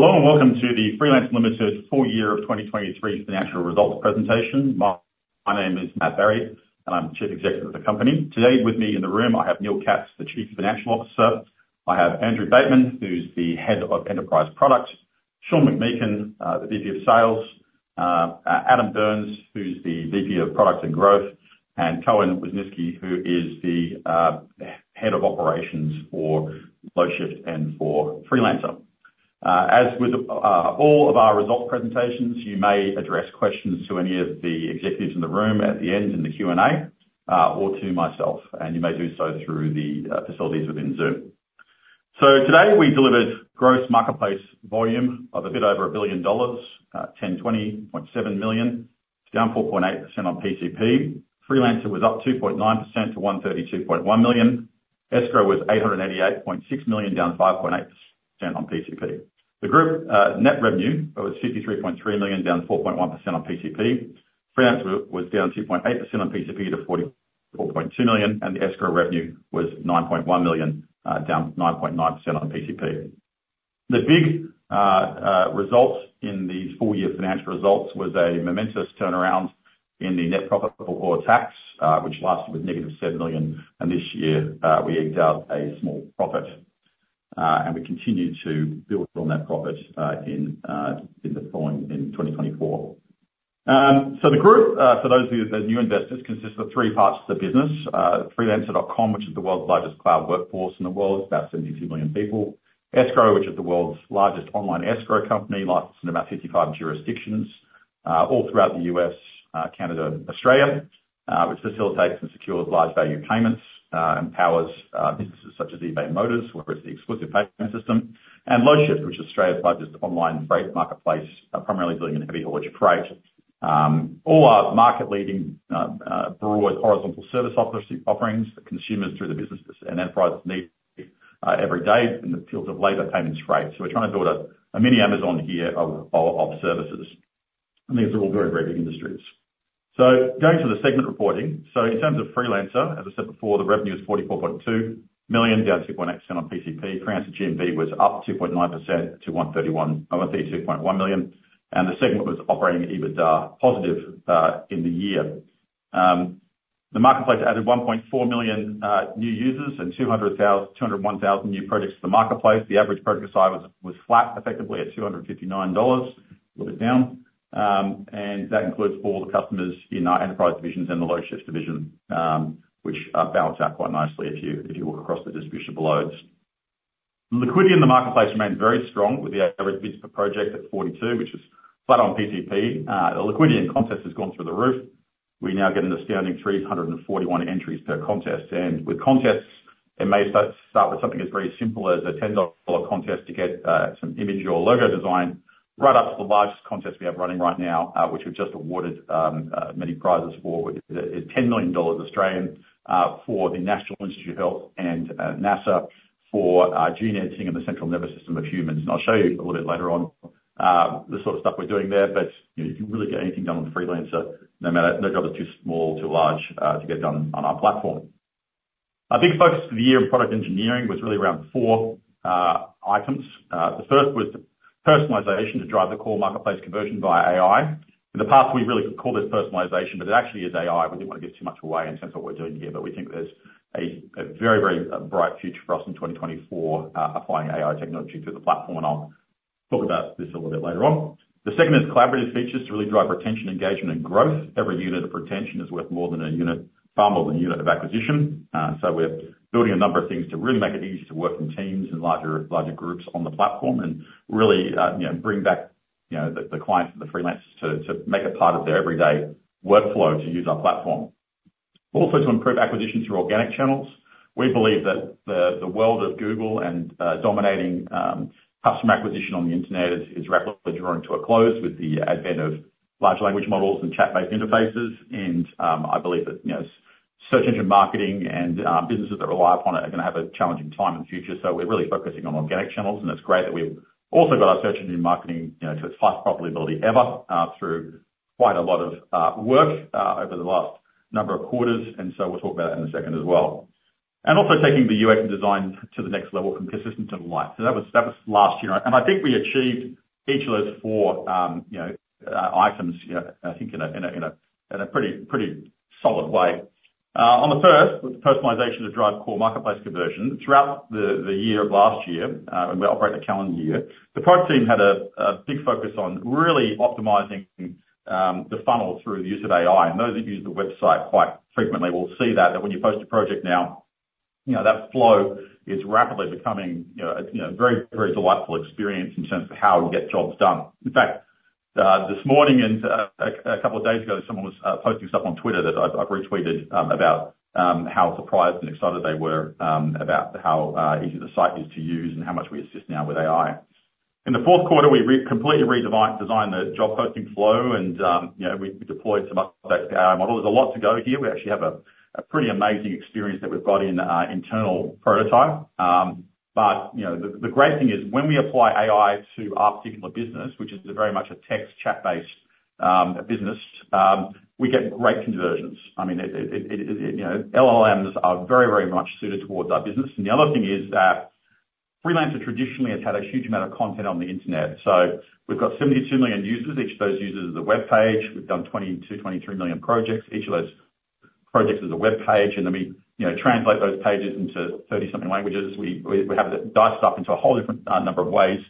Hello, and welcome to the Freelancer Limited full year of 2023 financial results presentation. My name is Matt Barrie, and I'm the Chief Executive of the company. Today, with me in the room, I have Neil Katz, the Chief Financial Officer. I have Andrew Bateman, who's the Head of Enterprise Products, Shaun McMeeken, the VP of Sales, Adam Byrnes, who's the VP of Products and Growth, and Kieran Wisniewski, who is the Head of Operations for Loadshift and for Freelancer. As with all of our results presentations, you may address questions to any of the executives in the room at the end, in the Q&A, or to myself, and you may do so through the facilities within Zoom. So today, we delivered gross marketplace volume of a bit over $1 billion, $1,020.7 million, down 4.8% on PCP. Freelancer was up 2.9% to $132.1 million. Escrow was $888.6 million, down 5.8% on PCP. The group, net revenue was $53.3 million, down 4.1% on PCP. Freelancer was down 2.8% on PCP to $44.2 million, and the Escrow revenue was $9.1 million, down 9.9% on PCP. The big results in these full year financial results was a momentous turnaround in the net profit before tax, which last was negative 7 million, and this year we eked out a small profit, and we continued to build on that profit in the following in 2024. So the group, for those of you that are new investors, consists of three parts of the business: Freelancer.com, which is the world's largest cloud workforce in the world, about 72 million people; Escrow.com, which is the world's largest online Escrow company, licensed in about 55 jurisdictions, all throughout the U.S., Canada, Australia, which facilitates and secures large value payments, and powers businesses such as eBay Motors, where it's the exclusive payment system; and Loadshift, which is Australia's largest online freight marketplace, primarily dealing in heavy haulage freight. All are market-leading, broad horizontal service offerings for consumers through the businesses and enterprises need every day in the fields of labor, payments, freight. So we're trying to build a mini Amazon here of services, and these are all very great industries. So going to the segment reporting. In terms of Freelancer, as I said before, the revenue is 44.2 million, down 2.8% on PCP. Freelancer GMV was up 2.9% to 131.2 million, and the segment was operating at EBITDA positive in the year. The marketplace added 1.4 million new users and 201,000 new projects to the marketplace. The average project size was flat, effectively at $259, a little bit down. And that includes all the customers in our enterprise divisions and the Loadshift's division, which balance out quite nicely if you, if you look across the distribution of loads. Liquidity in the marketplace remained very strong, with the average bids per project at 42, which is flat on PCP. The liquidity in contests has gone through the roof. We now get an astounding 341 entries per contest. And with contests, it may start with something as very simple as a $10 contest to get some image or logo design, right up to the largest contest we have running right now, which we've just awarded many prizes for, which is 10 million Australian dollars for the National Institutes of Health and NASA for gene editing in the central nervous system of humans. And I'll show you a little bit later on the sort of stuff we're doing there. But, you know, you can really get anything done on Freelancer, no matter, no job is too small or too large to get done on our platform. Our big focus for the year in product engineering was really around 4 items. The first was personalization to drive the core marketplace conversion via AI. In the past, we really could call this personalization, but it actually is AI. We didn't want to give too much away in terms of what we're doing here, but we think there's a very, very bright future for us in 2024 applying AI technology to the platform, and I'll talk about this a little bit later on. The second is collaborative features to really drive retention, engagement, and growth. Every unit of retention is worth more than a unit, far more than a unit of acquisition. So we're building a number of things to really make it easy to work in teams and larger groups on the platform, and really, you know, bring back the clients and the freelancers to make it part of their everyday workflow to use our platform. Also, to improve acquisition through organic channels. We believe that the world of Google and dominating customer acquisition on the internet is rapidly drawing to a close with the advent of large language models and chat-based interfaces. I believe that, you know, search engine marketing and businesses that rely upon it are gonna have a challenging time in the future. So we're really focusing on organic channels, and it's great that we've also got our search engine marketing, you know, to its highest profitability ever, through quite a lot of work over the last number of quarters, and so we'll talk about that in a second as well. And also taking the UX design to the next level and consistency to life. So that was last year, and I think we achieved each of those four, you know, items, you know, I think in a pretty solid way. On the first was personalization to drive core marketplace conversion. Throughout the year of last year, and we operate a calendar year, the product team had a big focus on really optimizing the funnel through the use of AI. Those that use the website quite frequently will see that when you post a project now, you know, that flow is rapidly becoming, you know, very, very delightful experience in terms of how we get jobs done. In fact, this morning and a couple of days ago, someone was posting stuff on Twitter that I've retweeted about how surprised and excited they were about how easy the site is to use and how much we assist now with AI. In the fourth quarter, we completely redesigned the job posting flow, and, you know, we deployed some updates to our model. There's a lot to go here. We actually have a pretty amazing experience that we've got in our internal prototype. But you know, the great thing is when we apply AI to our particular business, which is very much a text chat-based business, we get great conversions. I mean, it you know, LLMs are very, very much suited towards our business. And the other thing is that Freelancer traditionally has had a huge amount of content on the internet. So we've got 72 million users, each of those users is a webpage. We've done 22-23 million projects, each of those projects is a webpage, and then we you know, translate those pages into thirty-something languages. We have it diced up into a whole different number of ways,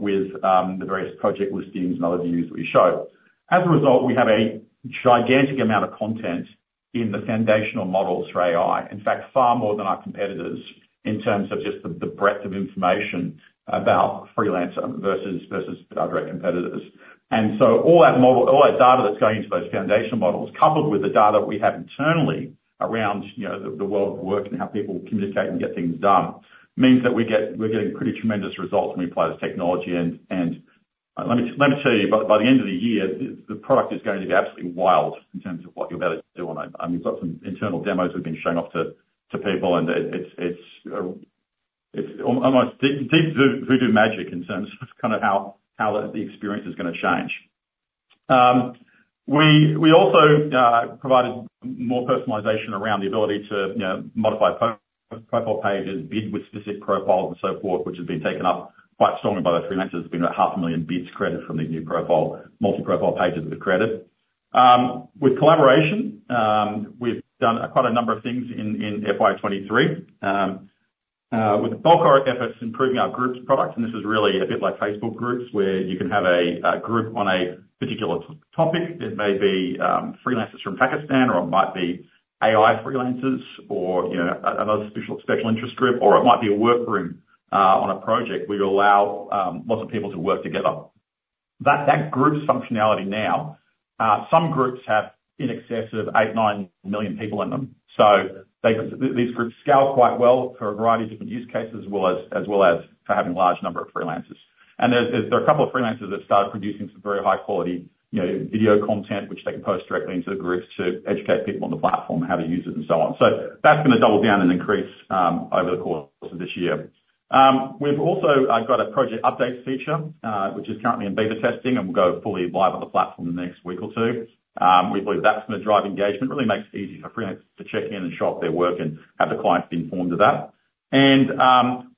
with the various project listings and other views we show. As a result, we have a gigantic amount of content in the foundational models for AI. In fact, far more than our competitors in terms of just the breadth of information about Freelancer versus our direct competitors. And so all that data that's going into those foundational models, coupled with the data we have internally around, you know, the world of work and how people communicate and get things done, means that we're getting pretty tremendous results when we apply this technology. And let me tell you, by the end of the year, the product is going to be absolutely wild in terms of what you'll be able to do on it. I mean, we've got some internal demos we've been showing off to people, and it's almost deep voodoo magic in terms of kind of how the experience is gonna change. We also provided more personalization around the ability to, you know, modify profile pages, bid with specific profiles and so forth, which have been taken up quite strongly by the freelancers. There's been about 500,000 bids created from the new profile, multi-profile pages that we created. With collaboration, we've done quite a number of things in FY 2023. With the bulk of our efforts improving our groups products, and this is really a bit like Facebook Groups, where you can have a group on a particular topic. It may be freelancers from Pakistan, or it might be AI freelancers or, you know, another special interest group, or it might be a workroom on a project. We allow lots of people to work together. That group's functionality now, some groups have in excess of 8-9 million people in them. So they—these groups scale quite well for a variety of different use cases, as well as, as well as for having a large number of freelancers. And there's a couple of freelancers that have started producing some very high quality, you know, video content, which they can post directly into the groups to educate people on the platform, how to use it, and so on. So that's gonna double down and increase over the course of this year. We've also got a project updates feature, which is currently in beta testing, and will go fully live on the platform in the next week or two. We believe that's gonna drive engagement. Really makes it easy for freelancers to check in and show off their work and have the clients be informed of that. And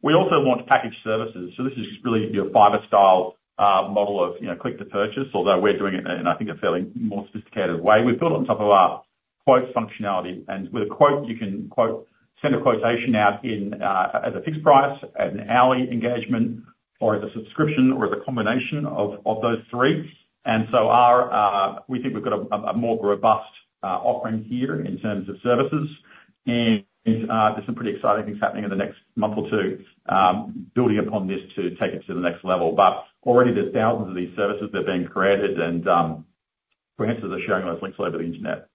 we also launched packaged services. So this is really your Fiverr style model of, you know, click to purchase, although we're doing it in, I think, a fairly more sophisticated way. We've built on top of our quote functionality, and with a quote, you can send a quotation out in as a fixed price, an hourly engagement, or as a subscription, or as a combination of those three. And so we think we've got a more robust offering here in terms of services. And there's some pretty exciting things happening in the next month or two, building upon this to take it to the next level. But already there's thousands of these services that are being created and, freelancers are sharing those links all over the internet.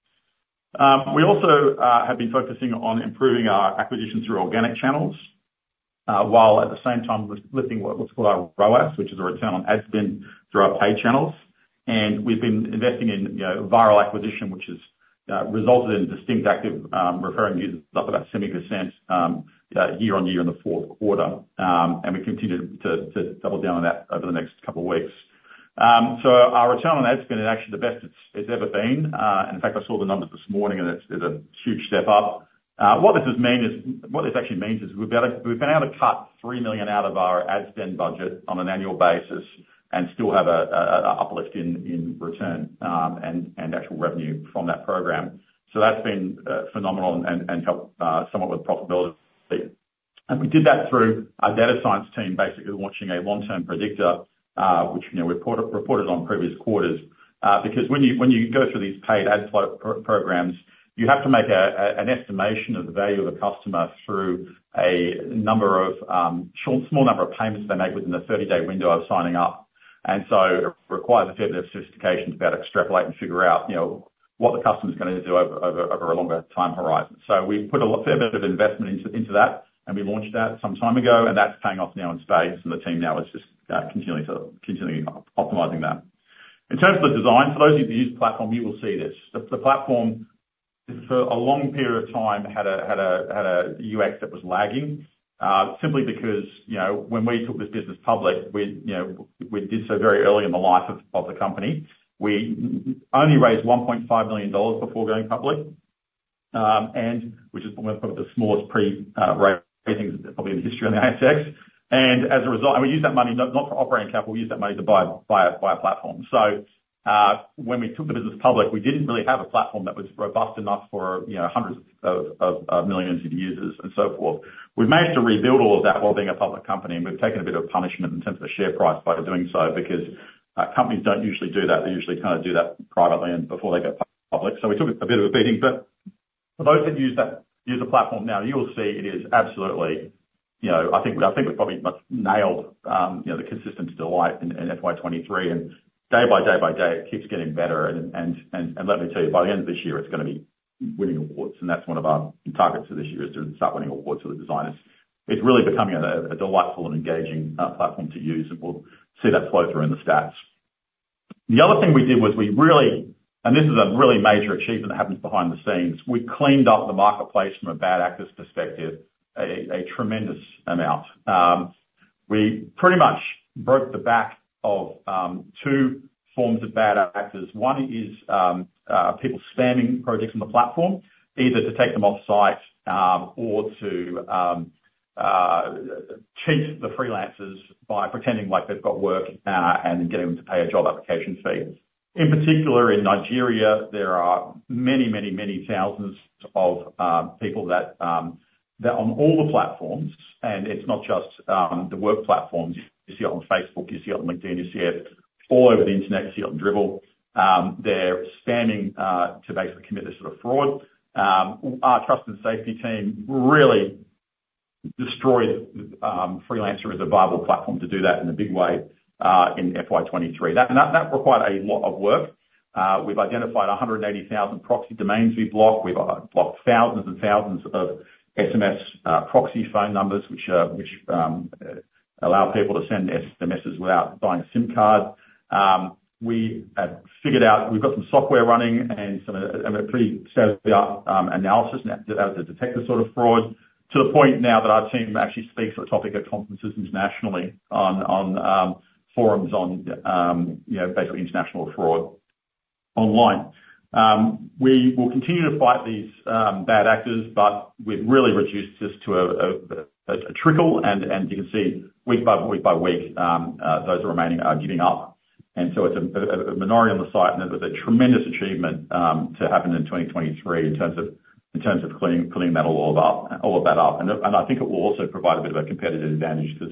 We also have been focusing on improving our acquisition through organic channels, while at the same time lifting what, what's called our ROAS, which is a return on ad spend, through our paid channels. And we've been investing in, you know, viral acquisition, which has resulted in distinct active, referring users, up about 7%, year-over-year in the fourth quarter. And we continue to double down on that over the next couple of weeks. So our return on ad spend is actually the best it's ever been. In fact, I saw the numbers this morning, and it's a huge step up. What this actually means is we've been able to cut 3 million out of our ad spend budget on an annual basis and still have an uplift in return and actual revenue from that program. So that's been phenomenal and helped somewhat with profitability. We did that through our data science team, basically launching a long-term predictor, which, you know, we reported on previous quarters. Because when you go through these paid ad programs, you have to make an estimation of the value of a customer through a small number of payments they make within a 30-day window of signing up. And so it requires a fair bit of sophistication to be able to extrapolate and figure out, you know, what the customer's gonna do over a longer time horizon. So we've put a fair bit of investment into that, and we launched that some time ago, and that's paying off now in spades, and the team now is just continuing to optimize that. In terms of the design, for those of you who've used the platform, you will see this. The platform, for a long period of time, had a UX that was lagging simply because, you know, when we took this business public, we, you know, we did so very early in the life of the company. We only raised 1.5 million dollars before going public, and which is one of the smallest pre-raisings probably in the history of the ASX. And as a result... And we used that money not for operating capital, we used that money to buy a platform. So, when we took the business public, we didn't really have a platform that was robust enough for, you know, hundreds of millions of users and so forth. We've managed to rebuild all of that while being a public company, and we've taken a bit of a punishment in terms of the share price by doing so, because, companies don't usually do that. They usually kind of do that privately and before they go public. So we took a bit of a beating. But for those that use that, use the platform now, you will see it is absolutely. You know, I think we probably much nailed, you know, the consistency delight in FY 2023, and day by day by day, it keeps getting better. And let me tell you, by the end of this year, it's gonna be winning awards, and that's one of our targets for this year is to start winning awards for the designers. It's really becoming a delightful and engaging platform to use, and we'll see that flow through in the stats. The other thing we did was we really and this is a really major achievement that happens behind the scenes. We cleaned up the marketplace from a bad actors perspective, a tremendous amount. We pretty much broke the back of two forms of bad actors. One is, people spamming projects on the platform, either to take them offsite, or to, cheat the freelancers by pretending like they've got work, and getting them to pay a job application fee. In particular, in Nigeria, there are many, many, many thousands of, people that, they're on all the platforms, and it's not just, the work platforms. You see it on Facebook, you see it on LinkedIn, you see it all over the internet, you see it on Dribbble. They're spamming to basically commit this sort of fraud. Our trust and safety team really destroyed, Freelancer as a viable platform to do that in a big way, in FY 2023. That required a lot of work. We've identified 180,000 proxy domains we've blocked. We've blocked thousands and thousands of SMS proxy phone numbers, which allow people to send SMSs without buying a SIM card. We have figured out—we've got some software running and some and a pretty state-of-the-art analysis, and that was to detect the sort of fraud, to the point now that our team actually speaks on the topic at conferences internationally on forums on, you know, basically international fraud online. We will continue to fight these bad actors, but we've really reduced this to a trickle, and you can see week by week by week, those remaining are giving up. So it's a minority on the site, and it was a tremendous achievement to happen in 2023 in terms of cleaning that all up. And I think it will also provide a bit of a competitive advantage, 'cause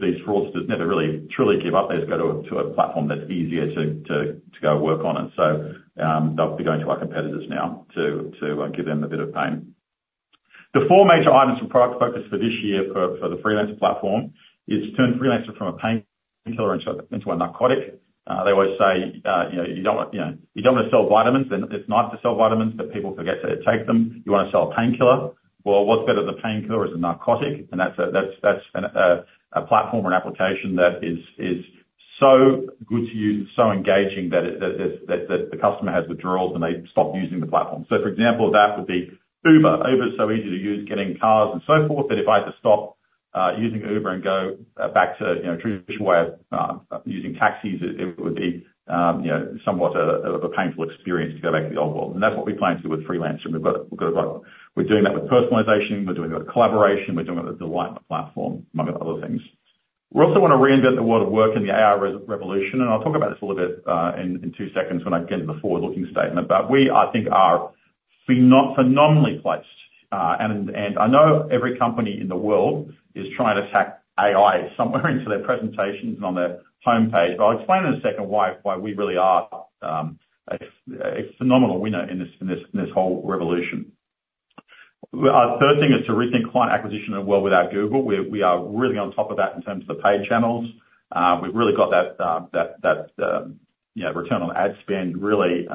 these fraudsters never really, truly give up. They just go to a platform that's easier to go work on it. So, they'll be going to our competitors now to give them a bit of pain. The 4 major items from product focus for this year for the Freelancer platform is turn Freelancer from a painkiller into a narcotic. They always say, you know, "You don't want, you know, you don't wanna sell vitamins. Then it's nice to sell vitamins, but people forget to take them. You wanna sell a painkiller. Well, what's better than a painkiller is a narcotic, and that's a platform or an application that is so good to use, so engaging that the customer has withdrawals when they stop using the platform. So for example, that would be Uber. Uber is so easy to use, getting cars and so forth, that if I had to stop using Uber and go back to, you know, traditional way of using taxis, it would be, you know, somewhat a painful experience to go back to the old world. And that's what we plan to do with Freelancer. We've got, we've got... We're doing that with personalization, we're doing it with collaboration, we're doing it with the delight platform, among other things. We also wanna reinvent the world of work in the AI revolution, and I'll talk about this a little bit in two seconds when I get into the forward-looking statement. But we, I think, are phenomenally placed, and I know every company in the world is trying to tack AI somewhere into their presentations and on their homepage, but I'll explain in a second why we really are a phenomenal winner in this whole revolution. Third thing is to rethink client acquisition in a world without Google. We are really on top of that in terms of the paid channels. We've really got that, you know, return on ad spend really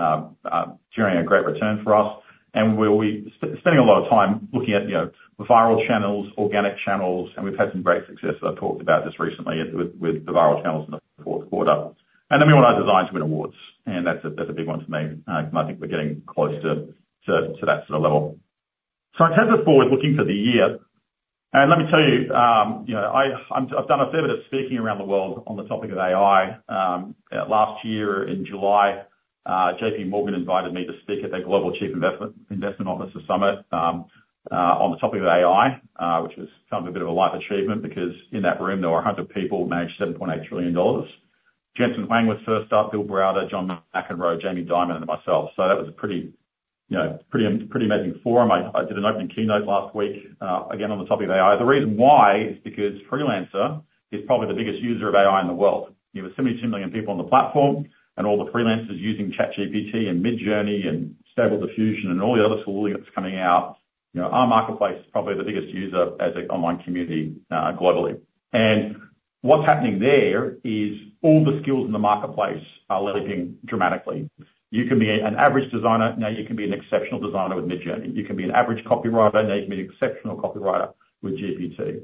generating a great return for us. And we'll be spending a lot of time looking at, you know, the viral channels, organic channels, and we've had some great success that I've talked about just recently with the viral channels in the fourth quarter. And then we want our designs to win awards, and that's a big one for me, and I think we're getting close to that sort of level. So in terms of forward looking for the year, and let me tell you, you know, I've done a fair bit of speaking around the world on the topic of AI. Last year in July, J.P. Morgan invited me to speak at their Global Chief Investment Officers Summit on the topic of AI, which was something of a bit of a life achievement, because in that room there were 100 people who managed $7.8 trillion. Jensen Huang was first up, Bill Browder, John McEnroe, Jamie Dimon, and myself. So that was a pretty, you know, pretty, pretty amazing forum. I did an opening keynote last week, again, on the topic of AI. The reason why is because Freelancer is probably the biggest user of AI in the world. You have 72 million people on the platform, and all the freelancers using ChatGPT, and Midjourney, and Stable Diffusion, and all the other tooling that's coming out, you know, our marketplace is probably the biggest user as an online community globally. And what's happening there is all the skills in the marketplace are leveling dramatically. You can be an average designer, now you can be an exceptional designer with Midjourney. You can be an average copywriter, now you can be an exceptional copywriter with GPT.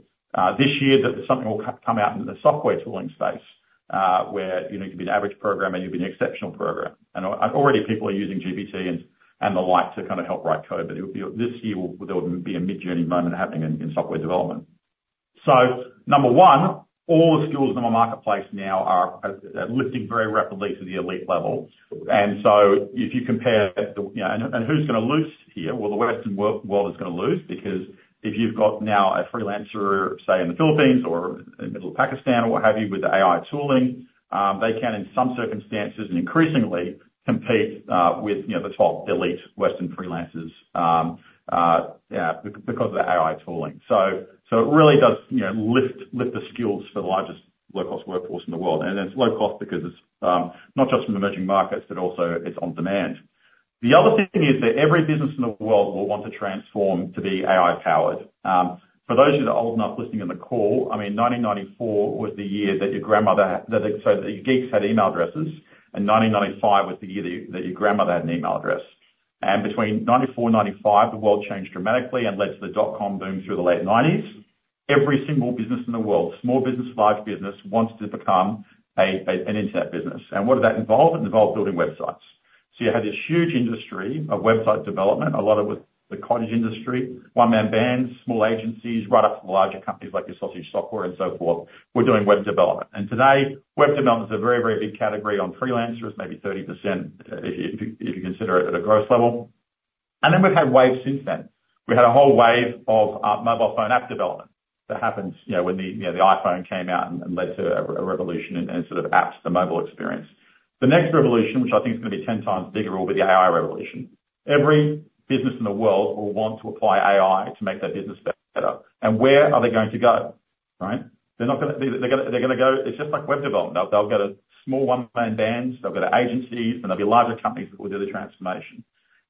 This year, something will come out in the software tooling space, where, you know, you can be an average programmer, you can be an exceptional programmer. And already people are using GPT and the like to kind of help write code. But it'll be this year, there will be a Midjourney moment happening in software development. So number one, all the skills in the marketplace now are lifting very rapidly to the elite level. And so if you compare the... You know, and who's gonna lose here? Well, the Western world is gonna lose, because if you've got now a freelancer, say, in the Philippines or in the middle of Pakistan or what have you, with the AI tooling, they can, in some circumstances and increasingly compete with, you know, the top elite Western freelancers, yeah, because of the AI tooling. So, so it really does, you know, lift, lift the skills for the largest low-cost workforce in the world. And it's low cost because it's not just from emerging markets, but also it's on demand. The other thing is that every business in the world will want to transform to be AI-powered. For those of you that are old enough listening on the call, I mean, 1994 was the year that the geeks had email addresses, and 1995 was the year that your grandmother had an email address. And between 1994 and 1995, the world changed dramatically and led to the dot-com boom through the late 1990s. Every single business in the world, small business, large business, wants to become a, a, an internet business. And what did that involve? It involved building websites. So you had this huge industry of website development, a lot of it with the cottage industry, one-man bands, small agencies, right up to the larger companies like your Sausage Software and so forth, were doing web development. And today, web development is a very, very big category on Freelancer. It's maybe 30%, if you, if you consider it at a gross level. And then we've had waves since then. We had a whole wave of mobile phone app development that happened, you know, when the, you know, the iPhone came out and, and led to a, a revolution in, in sort of apps, the mobile experience. The next revolution, which I think is gonna be 10 times bigger, will be the AI revolution. Every business in the world will want to apply AI to make their business better, and where are they going to go? Right? They're not gonna be - they're gonna, they're gonna go. It's just like web development. They'll, they'll go to small one-man bands, they'll go to agencies, and there'll be larger companies that will do the transformation.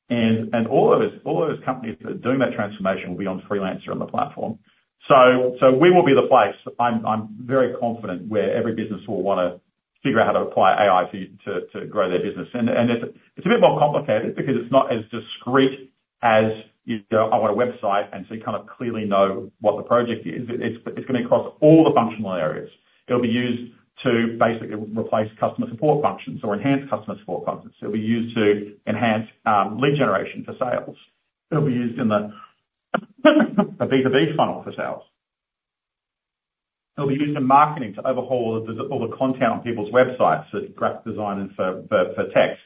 And all of those companies that are doing that transformation will be on Freelancer on the platform. So we will be the place, I'm very confident, where every business will wanna figure out how to apply AI to grow their business. And it's a bit more complicated because it's not as discrete as you go on a website, and so you kind of clearly know what the project is. It's gonna cross all the functional areas. It'll be used to basically replace customer support functions or enhance customer support functions. It'll be used to enhance lead generation for sales. It'll be used in the B2B funnel for sales. It'll be used in marketing to overhaul all the content on people's websites, for graphic design and for text,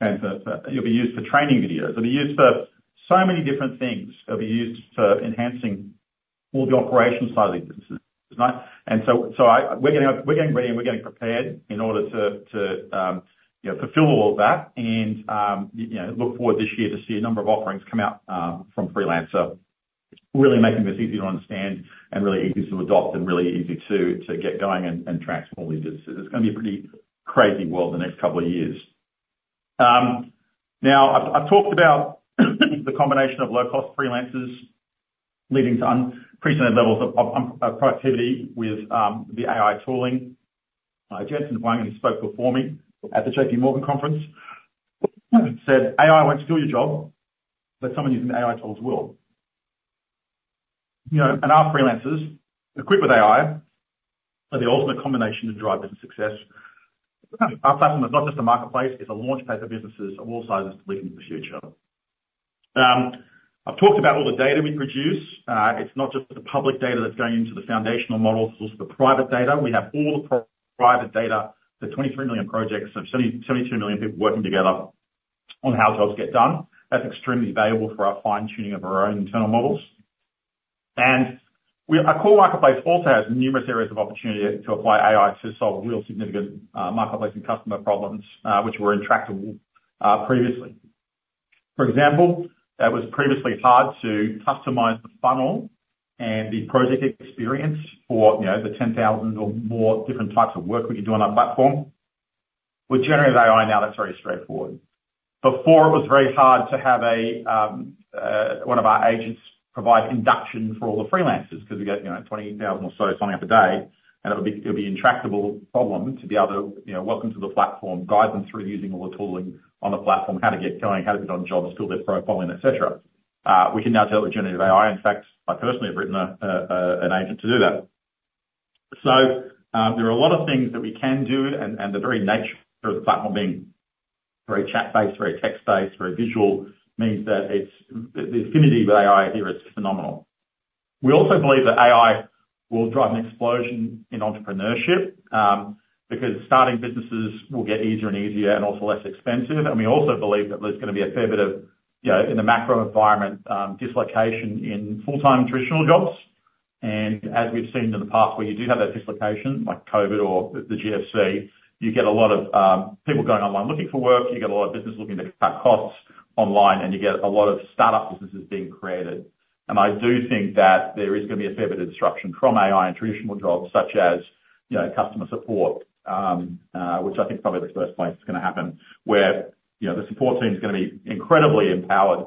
and for it'll be used for training videos. It'll be used for so many different things. It'll be used for enhancing all the operation side of the business, right? And so we're getting ready, and we're getting prepared in order to you know, fulfill all of that. And you know, look forward this year to see a number of offerings come out from Freelancer, really making this easy to understand and really easy to adopt and really easy to get going and transform businesses. It's gonna be a pretty crazy world the next couple of years. Now, I've talked about the combination of low-cost freelancers leading to unprecedented levels of productivity with the AI tooling. Jensen Huang, who spoke before me at the J.P. Morgan conference, said, "AI won't steal your job, but someone using the AI tools will." You know, and our freelancers, equipped with AI, are the ultimate combination to drive business success. Our platform is not just a marketplace, it's a launchpad for businesses of all sizes to lead into the future. I've talked about all the data we produce. It's not just the public data that's going into the foundational models, it's also the private data. We have all the private data, the 23 million projects of 72 million people working together on how jobs get done. That's extremely valuable for our fine-tuning of our own internal models. Our core marketplace also has numerous areas of opportunity to apply AI to solve real significant marketplace and customer problems, which were intractable previously. For example, that was previously hard to customize the funnel and the project experience for, you know, the 10,000 or more different types of work that you do on our platform. With generative AI now, that's very straightforward. Before, it was very hard to have one of our agents provide induction for all the freelancers because we get, you know, 20,000 or so signing up a day, and it would be intractable problem to be able to, you know, welcome to the platform, guide them through using all the tooling on the platform, how to get going, how to put on jobs, fill their profile in, et cetera. We can now do that with generative AI. In fact, I personally have written an agent to do that. So, there are a lot of things that we can do, and the very nature of the platform being very chat-based, very text-based, very visual, means that it's the affinity with AI here is phenomenal. We also believe that AI will drive an explosion in entrepreneurship, because starting businesses will get easier and easier and also less expensive. We also believe that there's gonna be a fair bit of, you know, in the macro environment, dislocation in full-time traditional jobs. As we've seen in the past, where you do have that dislocation, like COVID or the GFC, you get a lot of people going online looking for work, you get a lot of businesses looking to cut costs online, and you get a lot of startup businesses being created. I do think that there is gonna be a fair bit of disruption from AI in traditional jobs such as, you know, customer support, which I think is probably the first place it's gonna happen, where, you know, the support team's gonna be incredibly empowered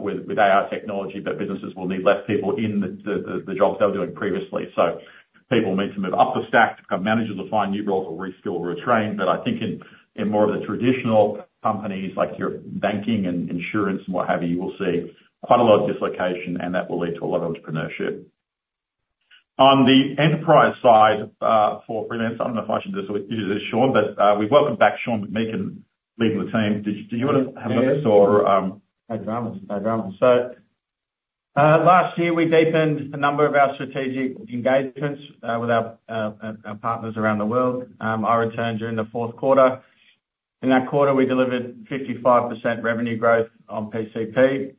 with AI technology, but businesses will need less people in the jobs they were doing previously. People will need to move up the stack to become managers or find new roles or reskill or retrain. But I think in more of the traditional companies, like your banking and insurance and what have you, you will see quite a lot of dislocation, and that will lead to a lot of entrepreneurship. On the enterprise side, for Freelancer, I don't know if I should just leave it as Shaun, but we've welcomed back Shaun McMeeken, leading the team. Did you want to have a look or No dramas. No dramas. So, last year, we deepened a number of our strategic engagements with our partners around the world. I returned during the fourth quarter. In that quarter, we delivered 55% revenue growth on PCP,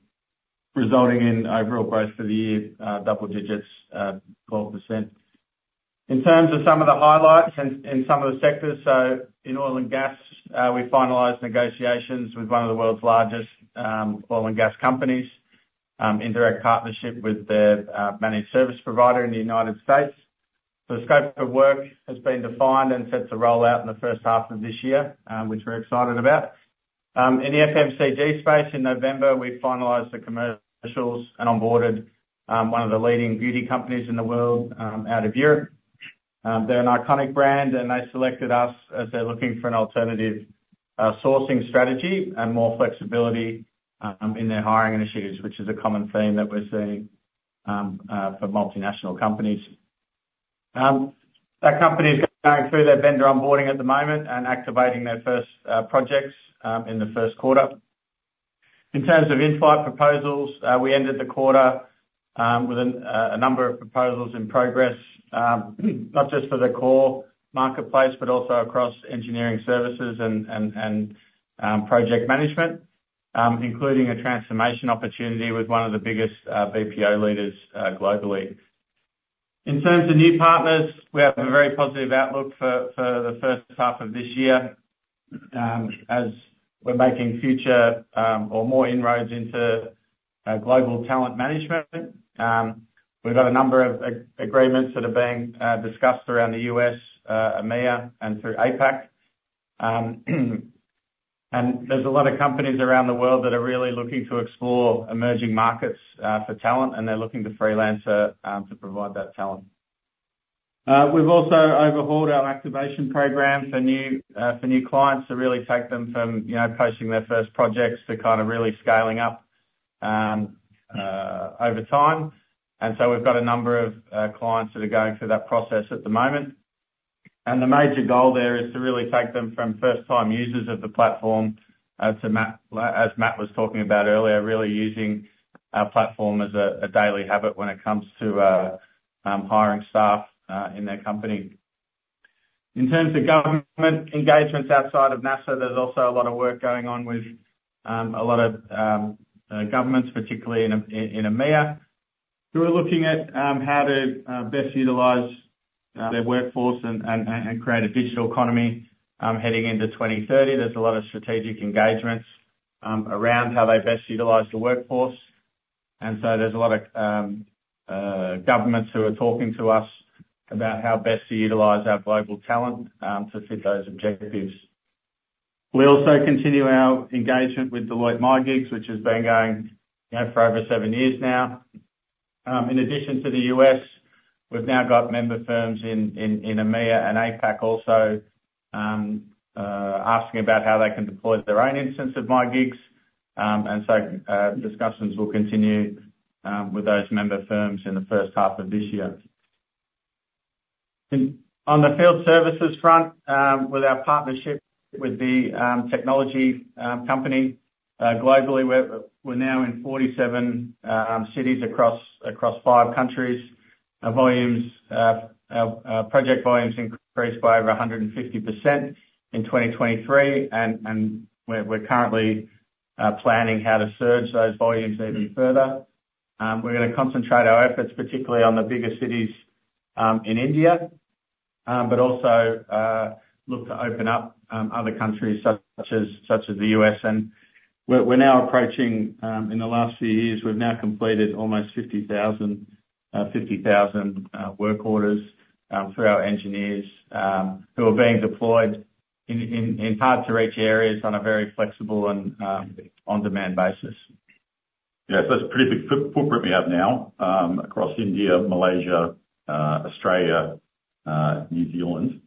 resulting in overall growth for the year, double digits, 12%. In terms of some of the highlights in some of the sectors, so in oil and gas, we finalized negotiations with one of the world's largest oil and gas companies in direct partnership with their managed service provider in the United States. The scope of work has been defined and set to roll out in the first half of this year, which we're excited about. In the FMCG space, in November, we finalized the commercials and onboarded one of the leading beauty companies in the world out of Europe. They're an iconic brand, and they selected us as they're looking for an alternative sourcing strategy and more flexibility in their hiring initiatives, which is a common theme that we're seeing for multinational companies. That company is going through their vendor onboarding at the moment and activating their first projects in the first quarter. In terms of in-flight proposals, we ended the quarter with a number of proposals in progress, not just for the core marketplace, but also across engineering services and project management, including a transformation opportunity with one of the biggest BPO leaders globally. In terms of new partners, we have a very positive outlook for the first half of this year as we're making further or more inroads into global talent management. We've got a number of agreements that are being discussed around the U.S., EMEA, and through APAC. And there's a lot of companies around the world that are really looking to explore emerging markets for talent, and they're looking to Freelancer to provide that talent. We've also overhauled our activation program for new clients to really take them from, you know, posting their first projects to kind of really scaling up over time. And so we've got a number of clients that are going through that process at the moment. The major goal there is to really take them from first time users of the platform to, as Matt was talking about earlier, really using our platform as a daily habit when it comes to hiring staff in their company. In terms of government engagements outside of NASA, there's also a lot of work going on with a lot of governments, particularly in EMEA, who are looking at how to best utilize their workforce and create a digital economy heading into 2030. There's a lot of strategic engagements around how they best utilize the workforce. And so there's a lot of governments who are talking to us about how best to utilize our global talent to fit those objectives. We also continue our engagement with Deloitte MyGigs, which has been going, you know, for over seven years now. In addition to the U.S., we've now got member firms in EMEA and APAC also asking about how they can deploy their own instance of MyGigs. And so, discussions will continue with those member firms in the first half of this year. On the field services front, with our partnership with the technology company globally, we're now in 47 cities across five countries. Our volumes, our project volumes increased by over 150% in 2023, and we're currently planning how to surge those volumes even further. We're gonna concentrate our efforts, particularly on the bigger cities, in India, but also look to open up other countries such as, such as the US. And we're, we're now approaching... In the last few years, we've now completed almost 50,000, 50,000 work orders through our engineers, who are being deployed in, in, in hard-to-reach areas on a very flexible and on-demand basis. Yeah. So that's a pretty big footprint we have now, across India, Malaysia, Australia, New Zealand,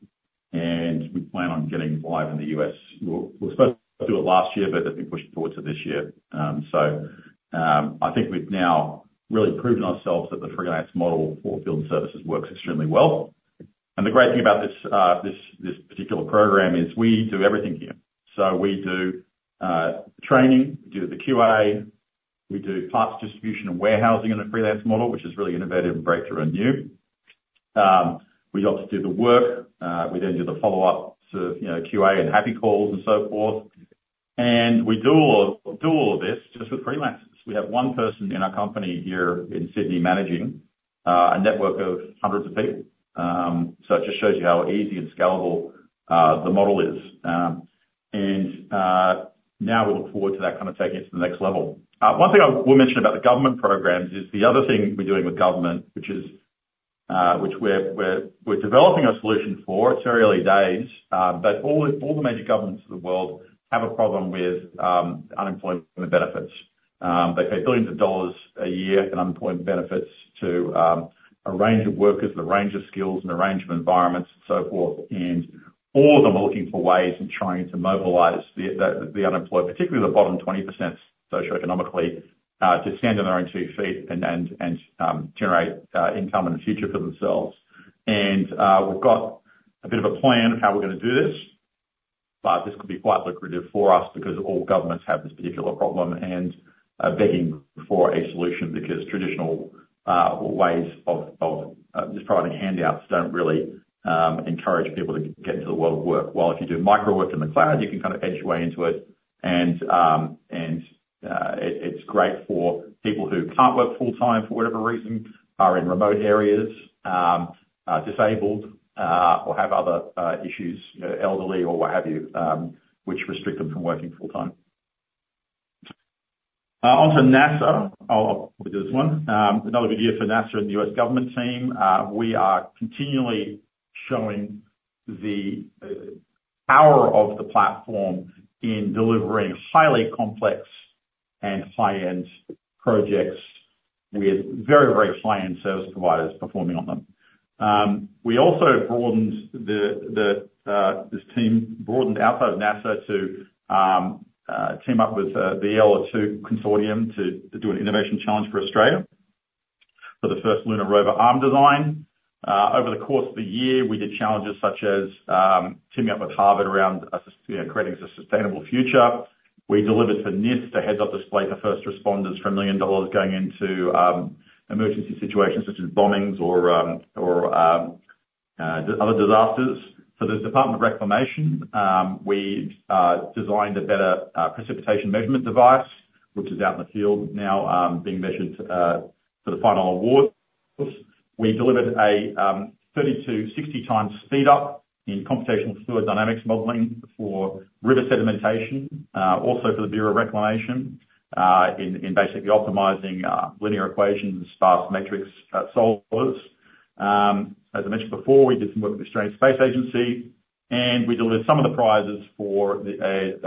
and we plan on getting live in the U.S. We were supposed to do it last year, but that's been pushed towards to this year. So, I think we've now really proven ourselves that the freelance model for field services works extremely well. And the great thing about this, this particular program is we do everything here. So we do the training, we do the QA, we do parts distribution and warehousing in a freelance model, which is really innovative and breakthrough and new. We obviously do the work, we then do the follow-ups of, you know, QA and happy calls and so forth. And we do all of this just with freelancers. We have one person in our company here in Sydney managing a network of hundreds of people. So it just shows you how easy and scalable the model is. And now we look forward to that kind of taking it to the next level. One thing I will mention about the government programs is, the other thing we're doing with government, which we're developing a solution for, it's early days, but all the major governments of the world have a problem with unemployment benefits. They pay billions of dollars a year in unemployment benefits to a range of workers with a range of skills and a range of environments and so forth, and all of them are looking for ways and trying to mobilize the unemployed, particularly the bottom 20% socioeconomically, to stand on their own two feet and generate income in the future for themselves. We've got a bit of a plan of how we're gonna do this, but this could be quite lucrative for us, because all governments have this particular problem, and are begging for a solution because traditional ways of just providing handouts don't really encourage people to get into the world of work. While if you do micro work in the cloud, you can kind of edge your way into it. It's great for people who can't work full-time for whatever reason, are in remote areas, are disabled, or have other issues, you know, elderly or what have you, which restrict them from working full-time. Onto NASA. I'll do this one. Another good year for NASA and the U.S. government team. We are continually showing the power of the platform in delivering highly complex and high-end projects, and we have very, very high-end service providers performing on them. We also broadened this team outside of NASA to team up with the ELO2 consortium to do an innovation challenge for Australia, for the first lunar rover arm design. Over the course of the year, we did challenges such as teaming up with Harvard around you know, creating a sustainable future. We delivered to NIST a heads-up display to first responders for $1 million going into emergency situations such as bombings or other disasters. For the Bureau of Reclamation, we designed a better precipitation measurement device, which is out in the field now, being measured for the final award. We delivered a 30-60 times speed-up in computational fluid dynamics modeling for river sedimentation also for the Bureau of Reclamation in basically optimizing linear equations, sparse matrix solvers. As I mentioned before, we did some work with the Australian Space Agency, and we delivered some of the prizes for the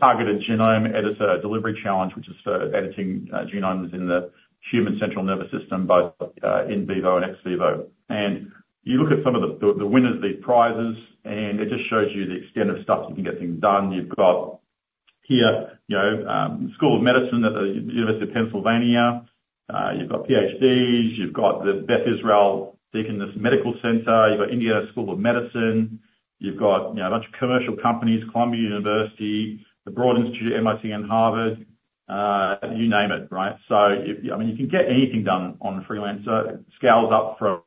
targeted genome editor delivery challenge, which is for editing genomes in the human central nervous system, both in vivo and ex vivo. And you look at some of the winners of the prizes, and it just shows you the extent of stuff you can get things done. You've got here, you know, School of Medicine at the University of Pennsylvania, you've got Ph.D.s, you've got the Beth Israel Deaconess Medical Center, you've got Indiana School of Medicine, you've got, you know, a bunch of commercial companies, Columbia University, the Broad Institute, MIT, and Harvard, you name it, right? So, I mean, you can get anything done on Freelancer. It scales up from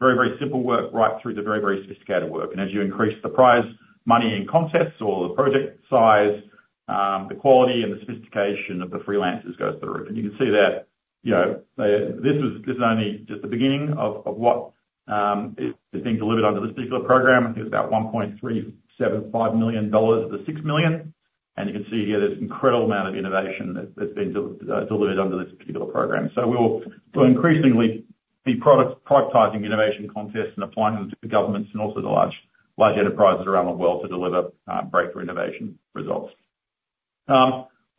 very, very simple work, right through to very, very sophisticated work. And as you increase the prize money in contests or the project size, the quality and the sophistication of the freelancers goes through the roof. And you can see that, you know, this is only just the beginning of what is being delivered under this particular program. I think it's about $1.375 million of the $6 million, and you can see here there's incredible amount of innovation that's been delivered under this particular program. So we'll increasingly be prioritizing innovation contests, and applying them to the governments and also the large, large enterprises around the world to deliver breakthrough innovation results.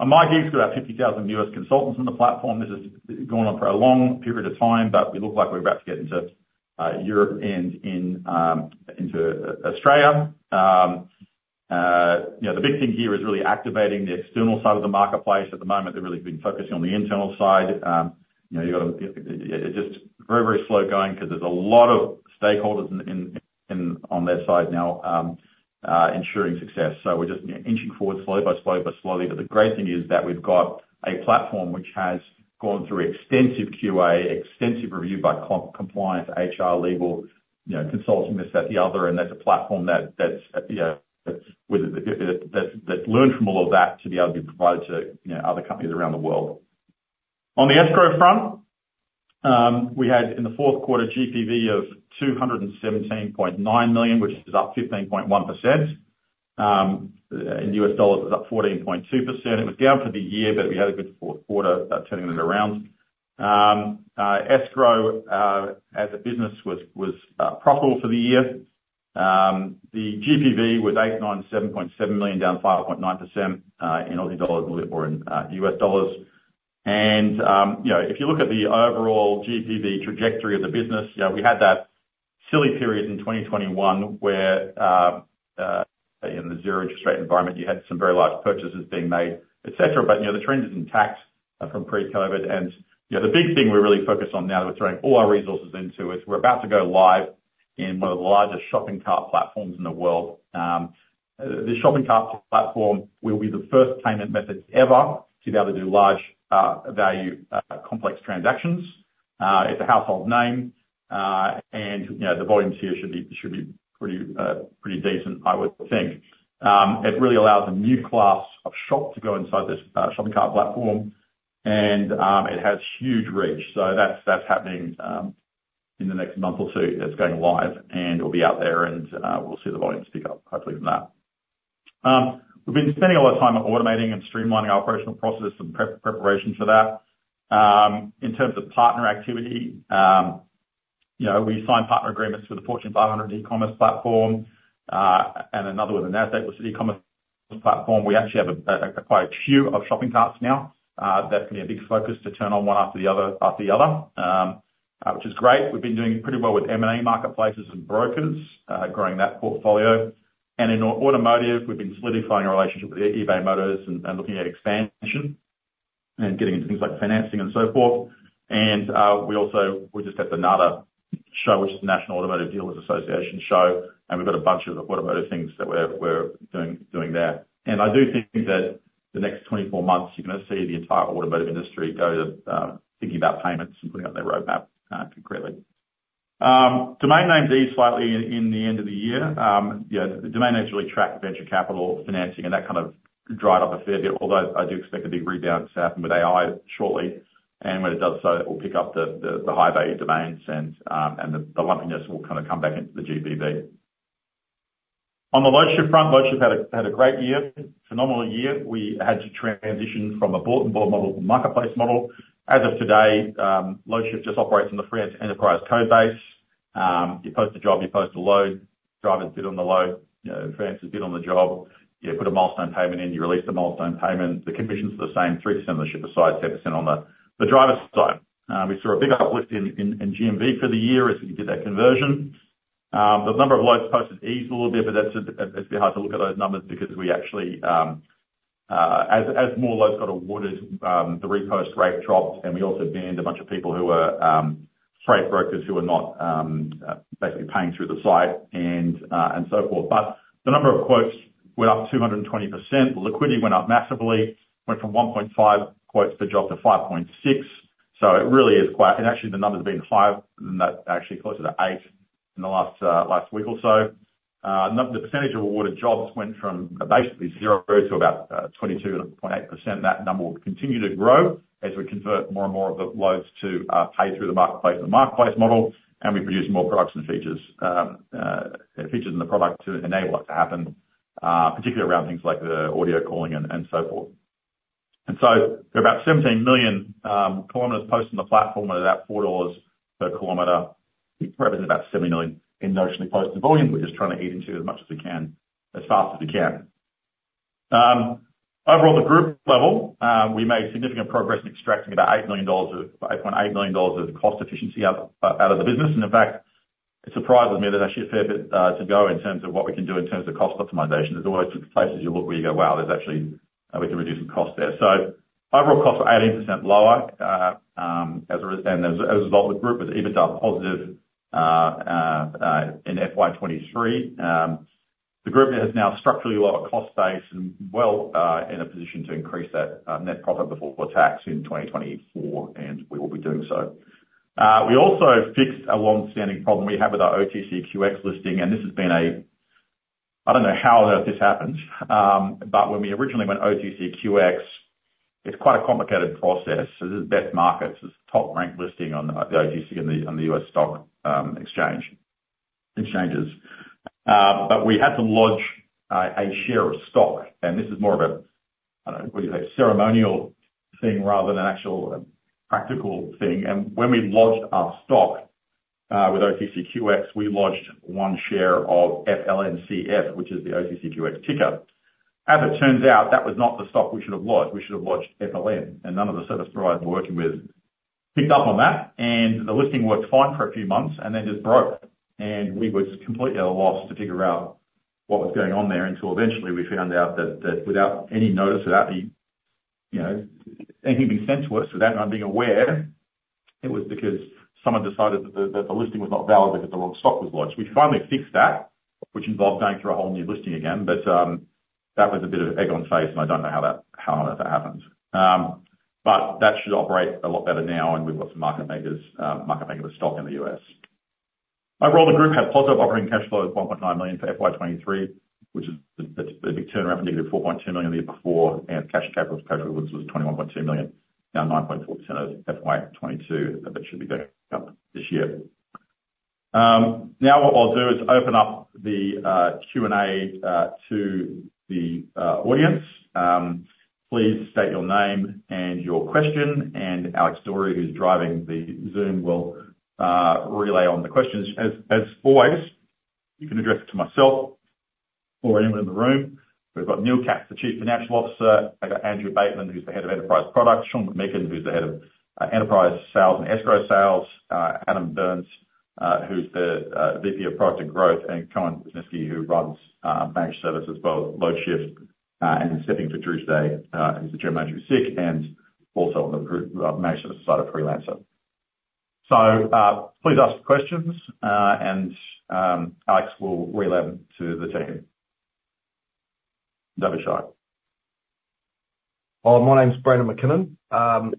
On MyGigs, we've got about 50,000 US consultants on the platform. This has been going on for a long period of time, but we look like we're about to get into Europe and into Australia. You know, the big thing here is really activating the external side of the marketplace. At the moment, they've really been focusing on the internal side. You know, you've got a... It's just very, very slow going, 'cause there's a lot of stakeholders in on their side now, ensuring success. So we're just, you know, inching forward slowly, by slowly, by slowly. But the great thing is that we've got a platform which has gone through extensive QA, extensive review by compliance, HR, legal, you know, consulting, this, that, and the other, and that's a platform that, that's, you know, that's with... That, that's learned from all of that to be able to be provided to, you know, other companies around the world. On the Escrow front, we had in the fourth quarter, GPV of 217.9 million, which is up 15.1%. In US dollars, it was up 14.2%. It was down for the year, but we had a good fourth quarter, turning it around. Escrow, as a business was profitable for the year. The GPV was 897.7 million, down 5.9%, in Aussie dollars or in US dollars. You know, if you look at the overall GPV trajectory of the business, you know, we had that silly period in 2021, where, in the zero interest rate environment, you had some very large purchases being made, et cetera. But, you know, the trend is intact, from pre-COVID. You know, the big thing we're really focused on now, that we're throwing all our resources into, is we're about to go live in one of the largest shopping cart platforms in the world. The shopping cart platform will be the first payment method ever to be able to do large, value, complex transactions. It's a household name, and, you know, the volumes here should be, should be pretty, pretty decent, I would think. It really allows a new class of shop to go inside this shopping cart platform, and it has huge reach. So that's happening in the next month or two. It's going live, and it'll be out there, and we'll see the volumes pick up, hopefully, from that. We've been spending a lot of time on automating and streamlining our operational processes and preparation for that. In terms of partner activity, you know, we signed partner agreements with a Fortune 500 e-commerce platform, and another with a NASDAQ, which is an e-commerce platform. We actually have quite a few shopping carts now. That's gonna be a big focus to turn on one after the other, after the other, which is great. We've been doing pretty well with M&A marketplaces and brokers, growing that portfolio. And in automotive, we've been solidifying our relationship with eBay Motors and looking at expansion, and getting into things like financing and so forth. And we also just had the NADA show, which is National Automobile Dealers Association show, and we've got a bunch of automotive things that we're doing there. And I do think that the next 24 months, you're gonna see the entire automotive industry go thinking about payments and putting out their roadmap concretely. Domain names ended slightly in the end of the year. You know, the domain names really tracked venture capital financing, and that kind of dried up a fair bit, although I do expect a big rebound to happen with AI shortly. When it does so, it will pick up the high-value domains and the lumpiness will kind of come back into the GPV. On the Loadshift front, Loadshift had a great year, phenomenal year. We had to transition from a bulletin board model to marketplace model. As of today, Loadshift just operates on the Freight Enterprise code base. You post a job, you post a load, drivers bid on the load, you know, freelancers bid on the job. You put a milestone payment in, you release the milestone payment. The commissions are the same, 3% on the shipper side, 10% on the driver's side. We saw a big uplift in GMV for the year, as we did that conversion. The number of loads posted eased a little bit, but that's, it, it'd be hard to look at those numbers because we actually, as more loads got awarded, the repost rate dropped, and we also banned a bunch of people who were freight brokers who were not basically paying through the site, and so forth. But the number of quotes went up 220%. Liquidity went up massively, went from 1.5 quotes per job to 5.6. So it really is quite. And actually, the number's been higher than that, actually closer to 8 in the last week or so. The percentage of awarded jobs went from basically zero to about 22.8%. That number will continue to grow as we convert more and more of the loads to pay through the marketplace and the marketplace model, and we produce more products and features, features in the product to enable it to happen, particularly around things like the audio calling and so forth. There are about 17 million kilometers posted on the platform at about 4 dollars per kilometer. It represents about 70 million in notionally posted volume. We're just trying to eat into it as much as we can, as fast as we can. Overall, the group level, we made significant progress in extracting about 8 million, 8.8 million dollars of cost efficiency out of the business. In fact, it surprises me that there's actually a fair bit to go in terms of what we can do in terms of cost optimization. There's always places you look, where you go, "Wow, there's actually we can reduce the cost there." So overall costs are 18% lower as a result, the group was EBITDA positive in FY 2023. The group has now a structurally lower cost base and well in a position to increase that net profit before tax in 2024, and we will be doing so. We also fixed a long-standing problem we have with our OTCQX listing, and this has been a... I don't know how on earth this happened, but when we originally went OTCQX, it's quite a complicated process. So this is OTC Markets. It's a top-ranked listing on the OTC and the, and the U.S. Stock Exchange, exchanges. But we had to lodge a share of stock, and this is more of a, I don't know, what do you say, ceremonial thing rather than an actual practical thing. And when we lodged our stock with OTCQX, we lodged one share of FLNCF, which is the OTCQX ticker. As it turns out, that was not the stock we should have lodged. We should have lodged FLN, and none of the service providers we're working with picked up on that, and the listing worked fine for a few months, and then just broke. We were completely at a loss to figure out what was going on there, until eventually we found out that, that without any notice, without any, you know, anything being sent to us, without anyone being aware, it was because someone decided that the, that the listing was not valid because the wrong stock was lodged. We finally fixed that, which involved going through a whole new listing again, but that was a bit of egg on face, and I don't know how that, how on earth that happened. But that should operate a lot better now, and we've got some market makers, market makers stock in the U.S. Overall, the group had positive operating cash flow of 1.9 million for FY 2023, which is a, that's a big turnaround from negative 4.2 million the year before, and cash capitals, capital, which was 21.2 million, down 9.4% of FY 2022. That should be back up this year. Now what I'll do is open up the Q&A to the audience. Please state your name and your question, and Alex Dorey, who's driving the Zoom, will relay on the questions. As always, you can address it to myself or anyone in the room. We've got Neil Katz, the Chief Financial Officer. I've got Andrew Bateman, who's the Head of Enterprise Products. Shaun McMeeken, who's the Head of Enterprise Sales and Escrow Sales. Adam Byrnes, who's the VP of Product and Growth. Kieran Wisniewski, who runs managed services for Loadshift, and stepping for Tuesday, he's the General Manager of Seek, and also on the managed service side of Freelancer. Please ask questions, and Alex will relay them to the team. Don't be shy. Well, my name's Brandon McKinnon.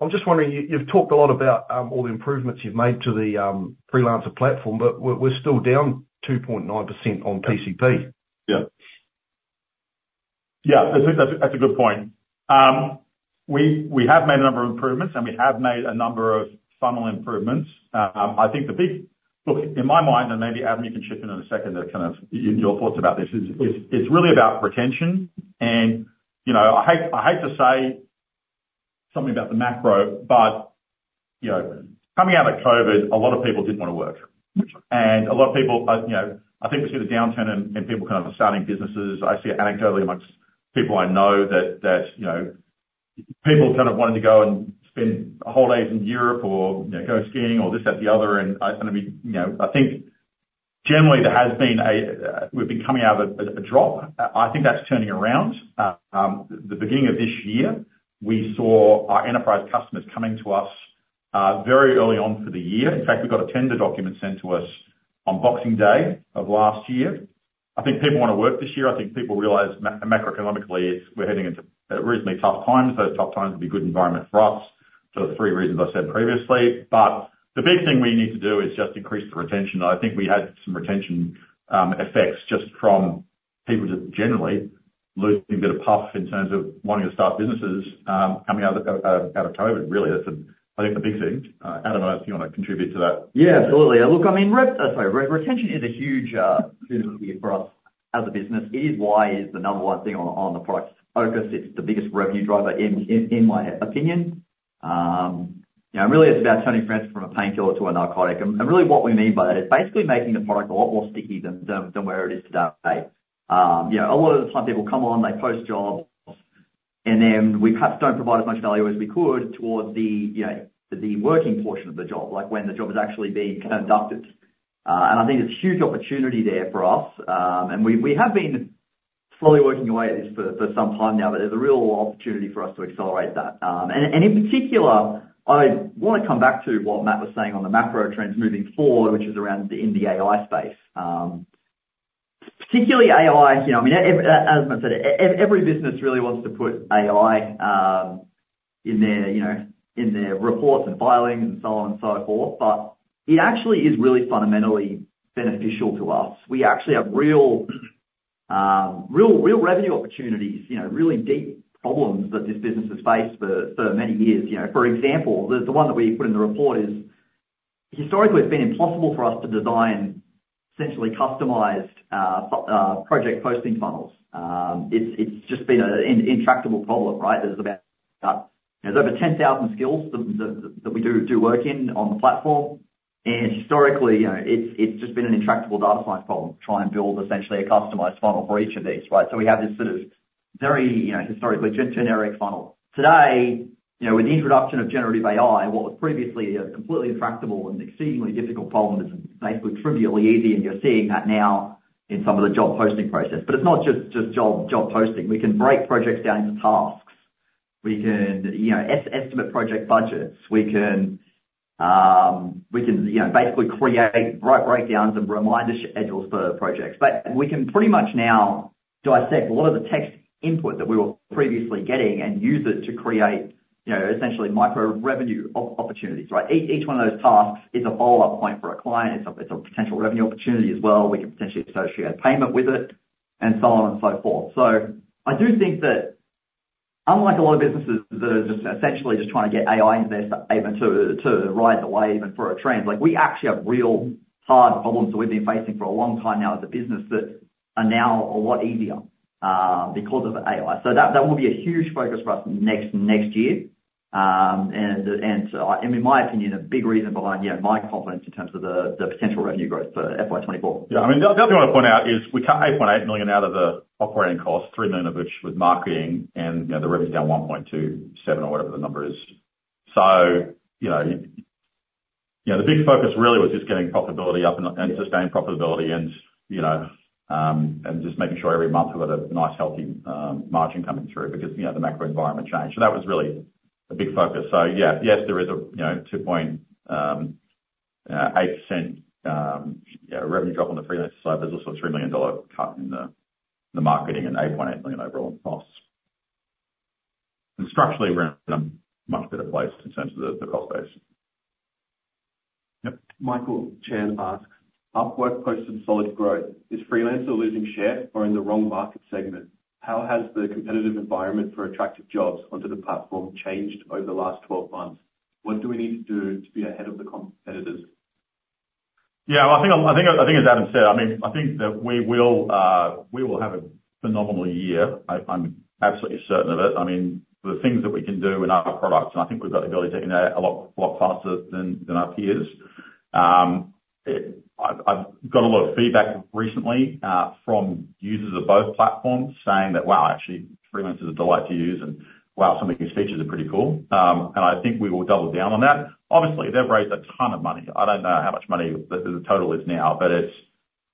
I'm just wondering, you've talked a lot about all the improvements you've made to the Freelancer platform, but we're still down 2.9% on PCP. Yeah. Yeah, that's a good point. We have made a number of improvements, and we have made a number of funnel improvements. I think the big... Look, in my mind, and maybe, Adam, you can chip in in a second, to kind of your thoughts about this. It's really about retention, and you know, I hate to say something about the macro, but you know, coming out of COVID, a lot of people didn't want to work. And a lot of people, you know, I think we see the downturn and people kind of starting businesses. I see anecdotally among people I know that, you know, people kind of wanting to go and spend holidays in Europe or, you know, go skiing or this, that, and the other, and, kind of, you know, I think generally there has been a, we've been coming out of a drop. I think that's turning around. The beginning of this year, we saw our enterprise customers coming to us, very early on for the year. In fact, we got a tender document sent to us on Boxing Day of last year. I think people wanna work this year. I think people realize macroeconomically, it's we're heading into reasonably tough times. So tough times will be a good environment for us for the three reasons I said previously. But the big thing we need to do is just increase the retention. I think we had some retention effects just from people just generally losing a bit of puff in terms of wanting to start businesses, coming out of COVID. Really, that's, I think, the big thing. Adam, I don't know if you want to contribute to that? Yeah, absolutely. Look, I mean, sorry. Retention is a huge opportunity for us as a business. It is why it's the number 1 thing on the product's focus. It's the biggest revenue driver in my opinion. You know, and really it's about turning friends from a painkiller to a narcotic. And really what we mean by that is basically making the product a lot more sticky than where it is today. You know, a lot of the time people come on, they post jobs. And then we perhaps don't provide as much value as we could towards the, you know, the working portion of the job, like when the job is actually being kind of conducted. And I think there's huge opportunity there for us, and we have been slowly working away at this for some time now, but there's a real opportunity for us to accelerate that. And in particular, I want to come back to what Matt was saying on the macro trends moving forward, which is around in the AI space. Particularly AI, you know, I mean, as Matt said, every business really wants to put AI in their, you know, in their reports and filings and so on and so forth, but it actually is really fundamentally beneficial to us. We actually have real, real, real revenue opportunities, you know, really deep problems that this business has faced for many years. You know, for example, the one that we put in the report is, historically, it's been impossible for us to design essentially customized project posting funnels. It's just been an intractable problem, right? There's over 10,000 skills that we do work in on the platform, and historically, you know, it's just been an intractable data science problem to try and build essentially a customized funnel for each of these, right? So we have this sort of very, you know, historically generic funnel. Today, you know, with the introduction of generative AI, what was previously a completely intractable and exceedingly difficult problem is basically trivially easy, and you're seeing that now in some of the job posting process. But it's not just job posting. We can break projects down into tasks. We can, you know, estimate project budgets. We can, we can, you know, basically create breakdowns and reminder schedules for projects. But we can pretty much now dissect a lot of the text input that we were previously getting and use it to create, you know, essentially micro revenue opportunities, right? Each, each one of those tasks is a follow-up point for a client. It's a, it's a potential revenue opportunity as well. We can potentially associate a payment with it and so on and so forth. So I do think that unlike a lot of businesses that are just essentially just trying to get AI into their system even to ride the wave and for a trend, like, we actually have real hard problems that we've been facing for a long time now as a business that are now a lot easier, because of the AI. So that will be a huge focus for us next year. And in my opinion, a big reason behind, you know, my confidence in terms of the potential revenue growth for FY 2024. Yeah, I mean, the other thing I want to point out is we cut 8.8 million out of the operating costs, 3 million of which was marketing and, you know, the revenue's down 1.27 or whatever the number is. So, you know, the big focus really was just getting profitability up and sustained profitability and, you know, and just making sure every month we've got a nice, healthy, margin coming through because, you know, the macro environment changed. So that was really a big focus. So yeah. Yes, there is a, you know, 2.8%, you know, revenue drop on the Freelancer side. There's also a 3 million dollar cut in the marketing and 8.8 million overall costs. Structurally, we're in a much better place in terms of the cost base. Yep. Michael Chan asks, "Upwork posted solid growth. Is Freelancer losing share or in the wrong market segment? How has the competitive environment for attractive jobs onto the platform changed over the last 12 months? What do we need to do to be ahead of the competitors? Yeah, well, I think as Adam said, I mean, I think that we will have a phenomenal year. I'm absolutely certain of it. I mean, the things that we can do in our products, and I think we've got the ability to do that a lot faster than our peers. I've got a lot of feedback recently from users of both platforms saying that, "Wow, actually, Freelancer is a delight to use," and, "Wow, some of these features are pretty cool." And I think we will double down on that. Obviously, they've raised a ton of money. I don't know how much money the total is now, but it's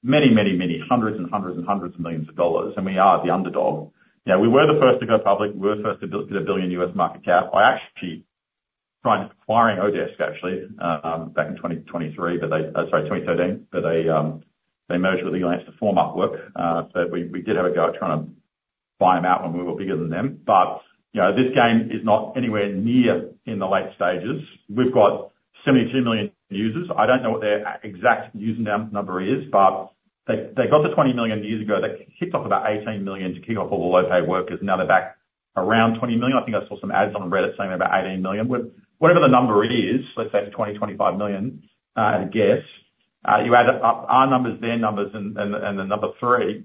many hundreds of millions of dollars, and we are the underdog. You know, we were the first to go public. We were the first to build to get a $1 billion market cap. I actually tried acquiring oDesk, actually, back in 2023, but they... Sorry, 2013, but they, they merged with Freelancer to form Upwork. So we, we did have a go at trying to buy them out when we were bigger than them. But, you know, this game is not anywhere near in the late stages. We've got 72 million users. I don't know what their exact user count number is, but they, they got to 20 million years ago. They kicked off about 18 million to kick off all the low-paid workers, now they're back around 20 million. I think I saw some ads on Reddit saying about 18 million. Whatever the number is, let's say it's 20-25 million. You add up our numbers, their numbers, and the number three,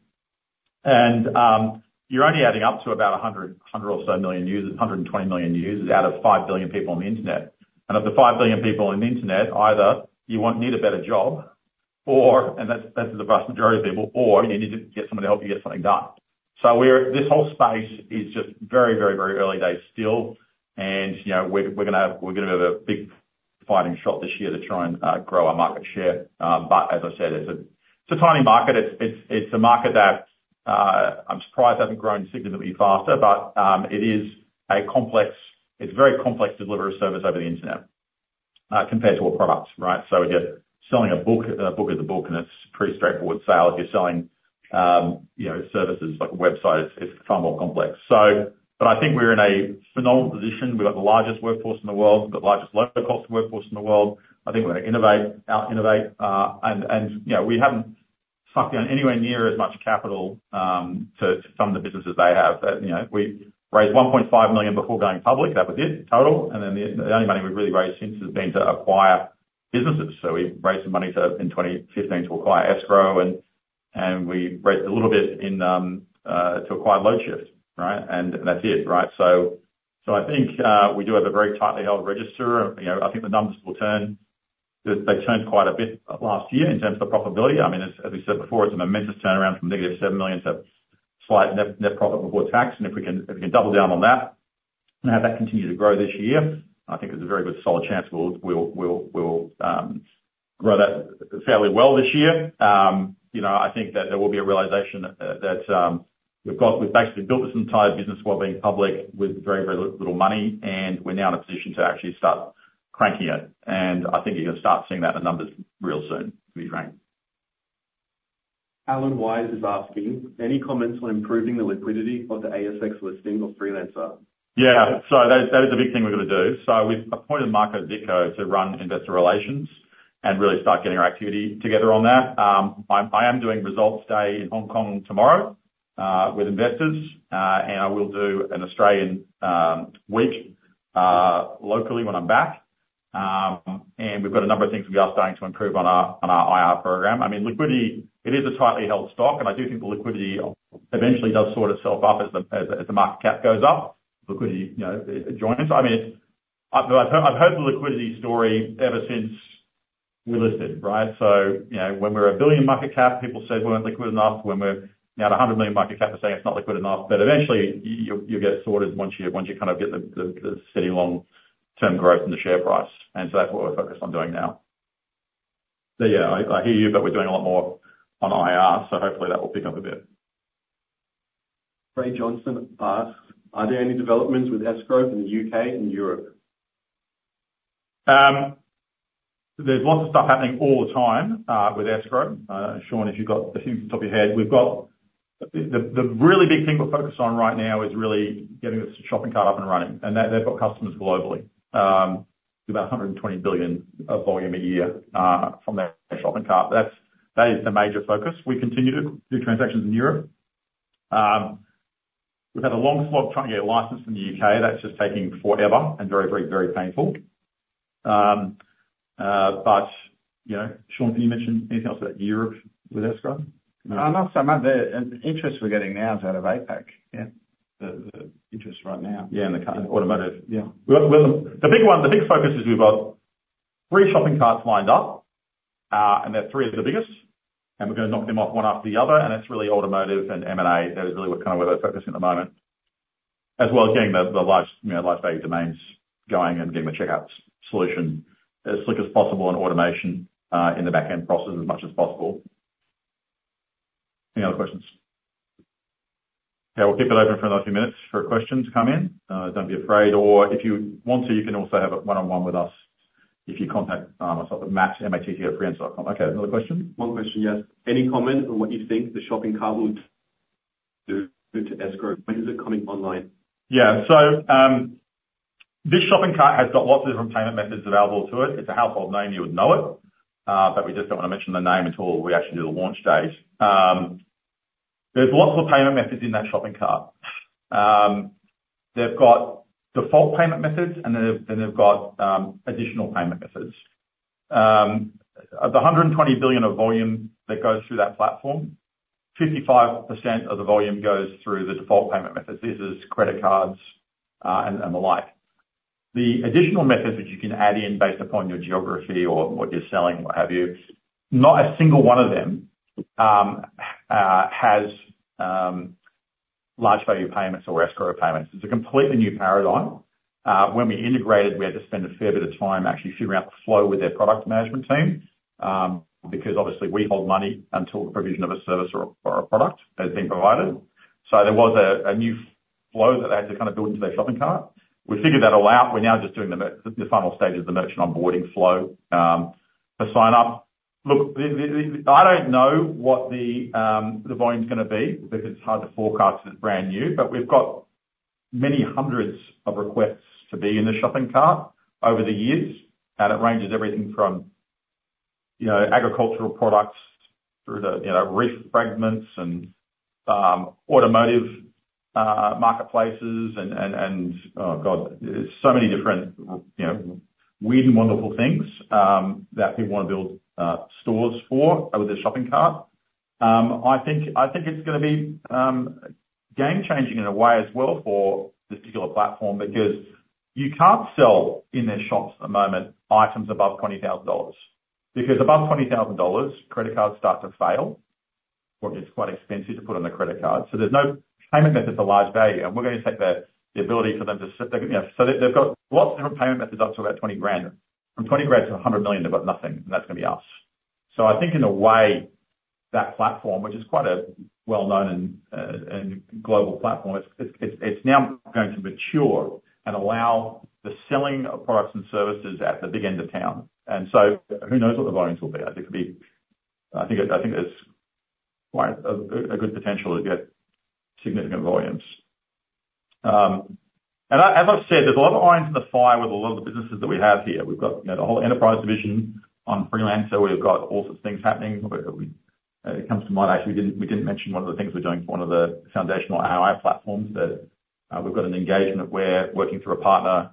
and you're only adding up to about 100 or so million users, 120 million users out of 5 billion people on the Internet. And of the 5 billion people on the Internet, either you want... need a better job, or and that's the vast majority of people, or you need to get somebody to help you get something done. So we're—this whole space is just very, very, very early days still, and, you know, we're gonna have a big fighting shot this year to try and grow our market share. But as I said, it's a tiny market. It's a market that I'm surprised hasn't grown significantly faster, but it is a complex—it's very complex delivery service over the Internet, compared to all products, right? So if you're selling a book, a book is a book, and it's pretty straightforward sale. If you're selling, you know, services like a website, it's far more complex. But I think we're in a phenomenal position. We've got the largest workforce in the world, we've got the largest low cost workforce in the world. I think we're gonna innovate, out-innovate, and, you know, we haven't sucked down anywhere near as much capital to some of the businesses they have. But, you know, we raised 1.5 million before going public. That was it, total. Then the only money we've really raised since has been to acquire businesses. So we've raised some money in 2015 to acquire Escrow, and we raised a little bit in to acquire Loadshift, right? And that's it, right? So I think we do have a very tightly held register. You know, I think the numbers will turn. They changed quite a bit last year in terms of the profitability. I mean, as we said before, it's an immense turnaround from negative 7 million to slight net profit before tax. And if we can double down on that and have that continue to grow this year, I think there's a very good solid chance we'll grow that fairly well this year. You know, I think that there will be a realization that we've basically built this entire business while being public with very, very little money, and we're now in a position to actually start cranking it. And I think you're gonna start seeing that in the numbers real soon, to be frank. Alan Wise is asking: Any comments on improving the liquidity of the ASX listing or Freelancer? Yeah. So that is a big thing we're gonna do. So we've appointed Marko Zitko to run investor relations and really start getting our activity together on that. I am doing results day in Hong Kong tomorrow with investors. And I will do an Australian week locally when I'm back. And we've got a number of things we are starting to improve on our IR program. I mean, liquidity, it is a tightly held stock, and I do think the liquidity eventually does sort itself out as the market cap goes up. Liquidity, you know, joins. I mean, I've heard the liquidity story ever since we listed, right? So, you know, when we're a 1 billion market cap, people said we weren't liquid enough. When we're now at 100 million market cap, they're saying it's not liquid enough. But eventually, you'll get it sorted once you kind of get the steady, long-term growth in the share price, and so that's what we're focused on doing now. So yeah, I hear you, but we're doing a lot more on IR, so hopefully that will pick up a bit. Ray Johnson asks: Are there any developments with Escrow in the U.K. and Europe? There's lots of stuff happening all the time with Escrow. Shaun, if you've got a few off the top of your head. We've got the really big thing we're focused on right now is really getting this shopping cart up and running, and they've got customers globally. About $120 billion of volume a year from that shopping cart. That's the major focus. We continue to do transactions in Europe. We've had a long slog trying to get a license in the U.K. That's just taking forever and very, very, very painful. But you know, Shaun, can you mention anything else about Europe with Escrow? Not so much. The interest we're getting now is out of APAC. Yeah. The interest right now. Yeah, and the kind of automotive. Yeah. We're the big one, the big focus is we've got three shopping carts lined up, and they're three of the biggest, and we're gonna knock them off one after the other, and it's really automotive and M&A. That is really where, kind of, where we're focused at the moment, as well as getting the large, you know, large value domains going and getting the checkouts solution as slick as possible and automation in the back-end processes as much as possible. Any other questions? Yeah, we'll keep it open for another few minutes for questions to come in. Don't be afraid, or if you want to, you can also have a one-on-one with us if you contact Matt, matt@freelancer.com. Okay. Another question? One question, yes. Any comment on what you think the shopping cart will do to Escrow? When is it coming online? Yeah. So, this shopping cart has got lots of different payment methods available to it. It's a household name, you would know it, but we just don't want to mention the name until we actually do the launch date. There's lots of payment methods in that shopping cart. They've got default payment methods and then they've got additional payment methods. Of the $120 billion of volume that goes through that platform, 55% of the volume goes through the default payment methods. This is credit cards and the like. The additional methods that you can add in based upon your geography or what you're selling, what have you, not a single one of them has large value payments or Escrow payments. It's a completely new paradigm. When we integrated, we had to spend a fair bit of time actually figuring out the flow with their product management team, because obviously we hold money until the provision of a service or a product has been provided. So there was a new flow that they had to kind of build into their shopping cart. We figured that all out. We're now just doing the final stages of the merchant onboarding flow to sign up. Look, the... I don't know what the volume's gonna be because it's hard to forecast if it's brand new, but we've got many hundreds of requests to be in the shopping cart over the years, and it ranges everything from, you know, agricultural products through to, you know, reef fragments and automotive marketplaces, and there's so many different, you know, weird and wonderful things that people want to build stores for with their shopping cart. I think, I think it's gonna be game-changing in a way as well for this particular platform, because you can't sell in their shops at the moment items above $20,000. Because above $20,000, credit cards start to fail, or it's quite expensive to put on the credit card. So there's no payment methods of large value, and we're gonna take the ability for them to sit there... You know, so they've got lots of different payment methods up to about $20,000. From $20,000 to $100 million, they've got nothing, and that's gonna be us. So I think in a way, that platform, which is quite a well-known and global platform, it's now going to mature and allow the selling of products and services at the big end of town. And so who knows what the volumes will be? I think it'll be... I think there's quite a good potential to get significant volumes. And as I've said, there's a lot of irons in the fire with a lot of the businesses that we have here. We've got, you know, the whole enterprise division on Freelancer. We've got all sorts of things happening. But, it comes to mind, actually, we didn't, we didn't mention one of the things we're doing for one of the foundational AI platforms that, we've got an engagement where working through a partner,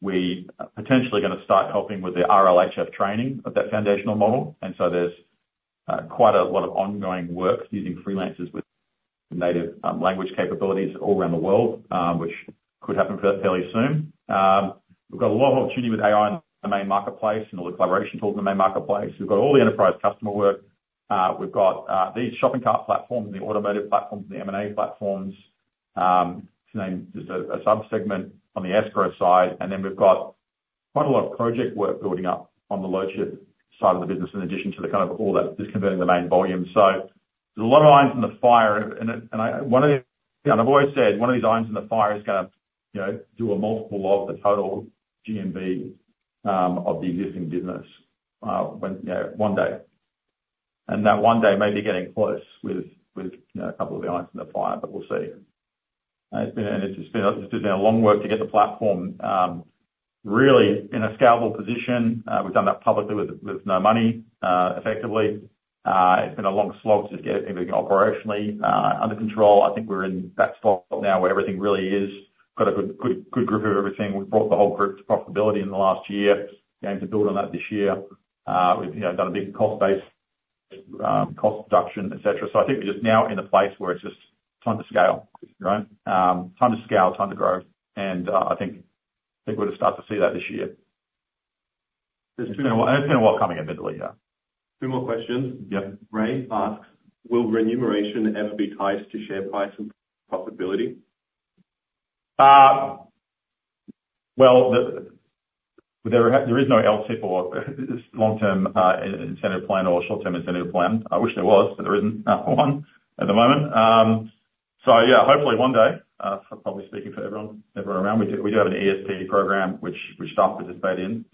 we potentially gonna start helping with the RLHF training of that foundational model. And so there's, quite a lot of ongoing work using freelancers with native language capabilities all around the world, which could happen fairly, fairly soon. We've got a lot of opportunity with AI in the main marketplace and all the collaboration tools in the main marketplace. We've got all the enterprise customer work. We've got, these shopping cart platforms, and the automotive platforms, and the M&A platforms, to name just a, a sub-segment on the Escrow side. And then we've got quite a lot of project work building up on the Loadshift side of the business, in addition to the kind of all that just converting the main volume. So there's a lot of irons in the fire, and one of the. And I've always said, one of these irons in the fire is gonna, you know, do a multiple of the total GMV of the existing business, when, you know, one day. And that one day may be getting close with, you know, a couple of the irons in the fire, but we'll see. It's been, and it's just been a, just been a long work to get the platform really in a scalable position. We've done that publicly with no money, effectively. It's been a long slog to get everything operationally under control. I think we're in that spot now where everything really is got a good, good, good grip of everything. We've brought the whole group to profitability in the last year, and to build on that this year. We've, you know, done a big cost base, cost reduction, et cetera. So I think we're just now in a place where it's just time to scale, right? Time to scale, time to grow, and I think we're gonna start to see that this year. There's been a while coming, admittedly, yeah. Two more questions. Yep. Ray asks, "Will remuneration ever be tied to share price and possibility? Well, there is no LTIP or long-term incentive plan or short-term incentive plan. I wish there was, but there isn't one at the moment. So yeah, hopefully one day, probably speaking for everyone around, we have an ESP program which staff participate in.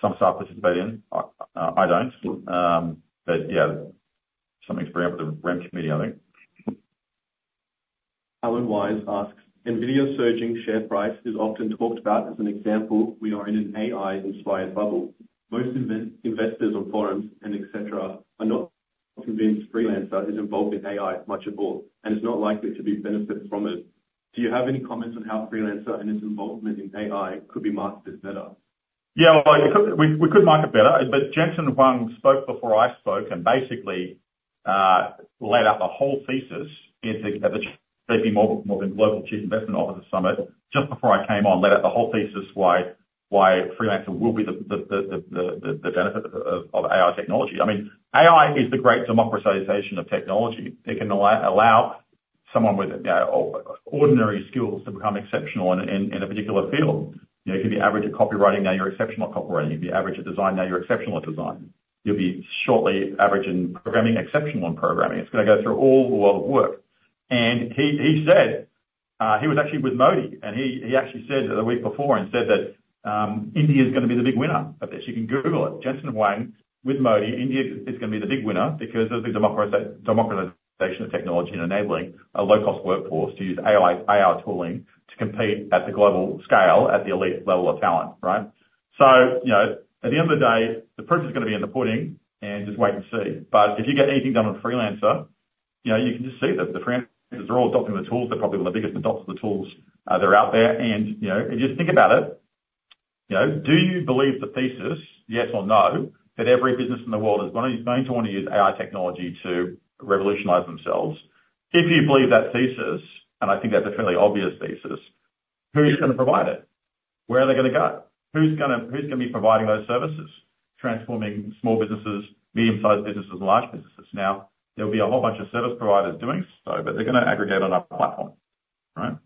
Some staff participate in, I don't. But yeah, something to bring up with the remuneration committee, I think. Alan Wise asks, "NVIDIA's surging share price is often talked about as an example, we are in an AI-inspired bubble. Most investors on forums and et cetera, are not convinced Freelancer is involved in AI much at all, and is not likely to be benefiting from it. Do you have any comments on how Freelancer and its involvement in AI could be marketed better? Yeah, well, we could market better, but Jensen Huang spoke before I spoke, and basically laid out the whole thesis at the J.P. Morgan Global Chief Investment Officer Summit, just before I came on, laid out the whole thesis why Freelancer will be the benefit of AI technology. I mean, AI is the great democratization of technology. It can allow someone with ordinary skills to become exceptional in a particular field. You know, if you're average at copywriting, now you're exceptional at copywriting. If you're average at design, now you're exceptional at design. You'll be shortly average in programming, exceptional in programming. It's gonna go through all the world of work. He said he was actually with Modi, and he actually said the week before that India is gonna be the big winner of this. You can Google it. Jensen Huang with Modi, "India is gonna be the big winner," because of the democratization of technology, and enabling a low-cost workforce to use AI, AI tooling to compete at the global scale, at the elite level of talent, right? So, you know, at the end of the day, the proof is gonna be in the pudding, and just wait and see. But if you get anything done on Freelancer, you know, you can just see that the freelancers are all adopting the tools. They're probably one of the biggest adopters of the tools that are out there. You know, if you just think about it, you know, do you believe the thesis, yes or no, that every business in the world is going to want to use AI technology to revolutionize themselves? If you believe that thesis, and I think that's a fairly obvious thesis, who's gonna provide it? Where are they gonna go? Who's gonna be providing those services, transforming small businesses, medium-sized businesses, and large businesses? Now, there'll be a whole bunch of service providers doing so, but they're gonna aggregate on our platform, right?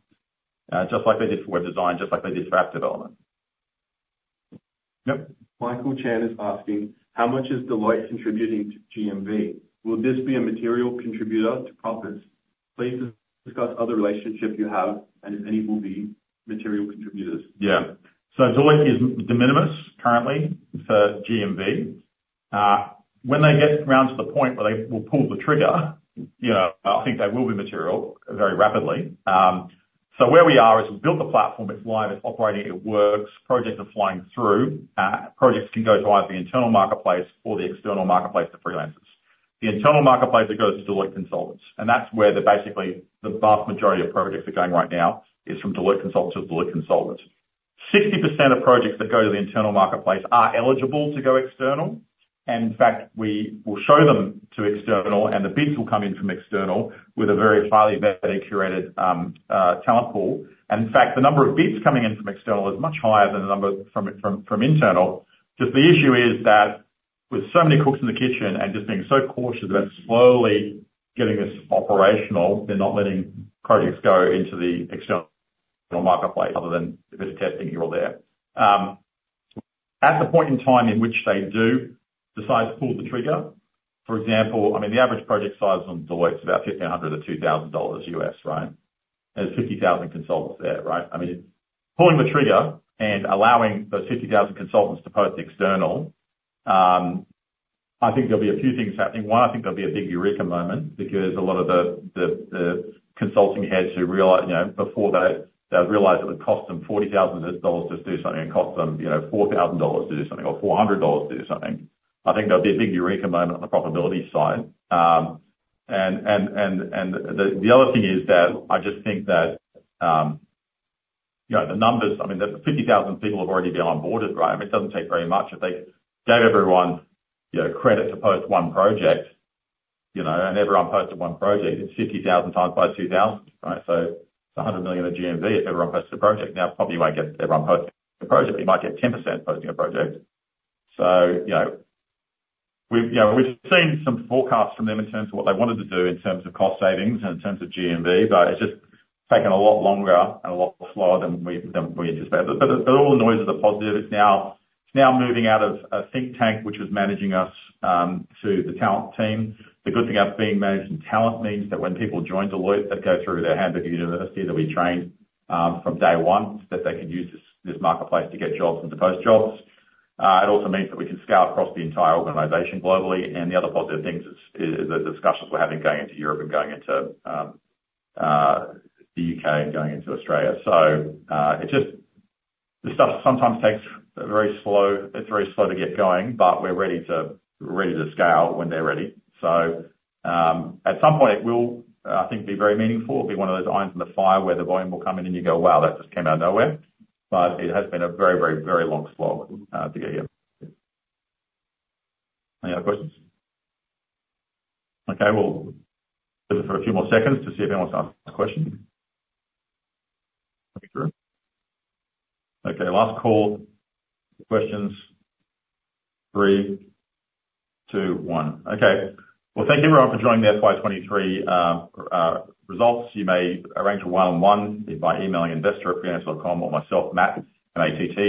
Just like they did for web design, just like they did for app development. Yep. Michael Chan is asking, "How much is Deloitte contributing to GMV? Will this be a material contributor to profits? Please discuss other relationships you have and if any will be material contributors. Yeah. So Deloitte is de minimis currently, for GMV. When they get around to the point where they will pull the trigger, you know, I think they will be material very rapidly. So where we are, is we've built the platform, it's live, it's operating, it works, projects are flowing through. Projects can go to either the internal marketplace or the external marketplace for freelancers. The internal marketplace, it goes to Deloitte consultants, and that's where, basically, the vast majority of projects are going right now, is from Deloitte consultants to Deloitte consultants. 60% of projects that go to the internal marketplace are eligible to go external, and in fact, we will show them to external, and the bids will come in from external with a very highly vetted, curated, talent pool. In fact, the number of bids coming in from external is much higher than the number from internal. Just the issue is that, with so many cooks in the kitchen, and just being so cautious about slowly getting this operational, they're not letting projects go into the external marketplace, other than a bit of testing here or there. At the point in time in which they do decide to pull the trigger, for example, I mean, the average project size on Deloitte is about $1,500-$2,000, right? There's 50,000 consultants there, right? I mean, pulling the trigger and allowing those 50,000 consultants to post external, I think there'll be a few things happening. 1, I think there'll be a big eureka moment, because a lot of the consulting heads who realize, you know, before they, they've realized it would cost them $40,000 just to do something, it costs them, you know, $4,000 to do something, or $400 to do something. I think there'll be a big eureka moment on the profitability side. The other thing is that I just think that, you know, the numbers, I mean, there's 50,000 people have already been onboarded, right? I mean, it doesn't take very much. If they gave everyone, you know, credit to post one project, you know, and everyone posted one project, it's 50,000 times by 2,000, right? So it's $100 million of GMV if everyone posted a project. Now, probably you won't get everyone posting a project, but you might get 10% posting a project. So, you know, we've, you know, we've seen some forecasts from them in terms of what they wanted to do, in terms of cost savings, and in terms of GMV, but it's just taken a lot longer and a lot more slower than we, than we anticipated. But, but all the noise is a positive. It's now, it's now moving out of a think tank, which was managing us, to the talent team. The good thing about being managed in talent means that when people join Deloitte, they go through their Deloitte University, that we train, from day one, that they can use this, this marketplace to get jobs and to post jobs. It also means that we can scale across the entire organization globally. And the other positive things is the discussions we're having going into Europe and going into the U.K., and going into Australia. So, it just... This stuff sometimes takes very slow, it's very slow to get going, but we're ready to, we're ready to scale when they're ready. So, at some point it will, I think be very meaningful, be one of those irons in the fire where the volume will come in and you go, "Wow, that just came out of nowhere." But it has been a very, very, very long slog to get here. Any other questions? Okay, we'll wait for a few more seconds to see if anyone's asked a question. Okay, last call, questions. Three, two, one. Okay. Well, thank you everyone for joining the FY 23 results. You may arrange a one-on-one by emailing investor@freelancer.com or myself, Matt, at matt@freelancer.com.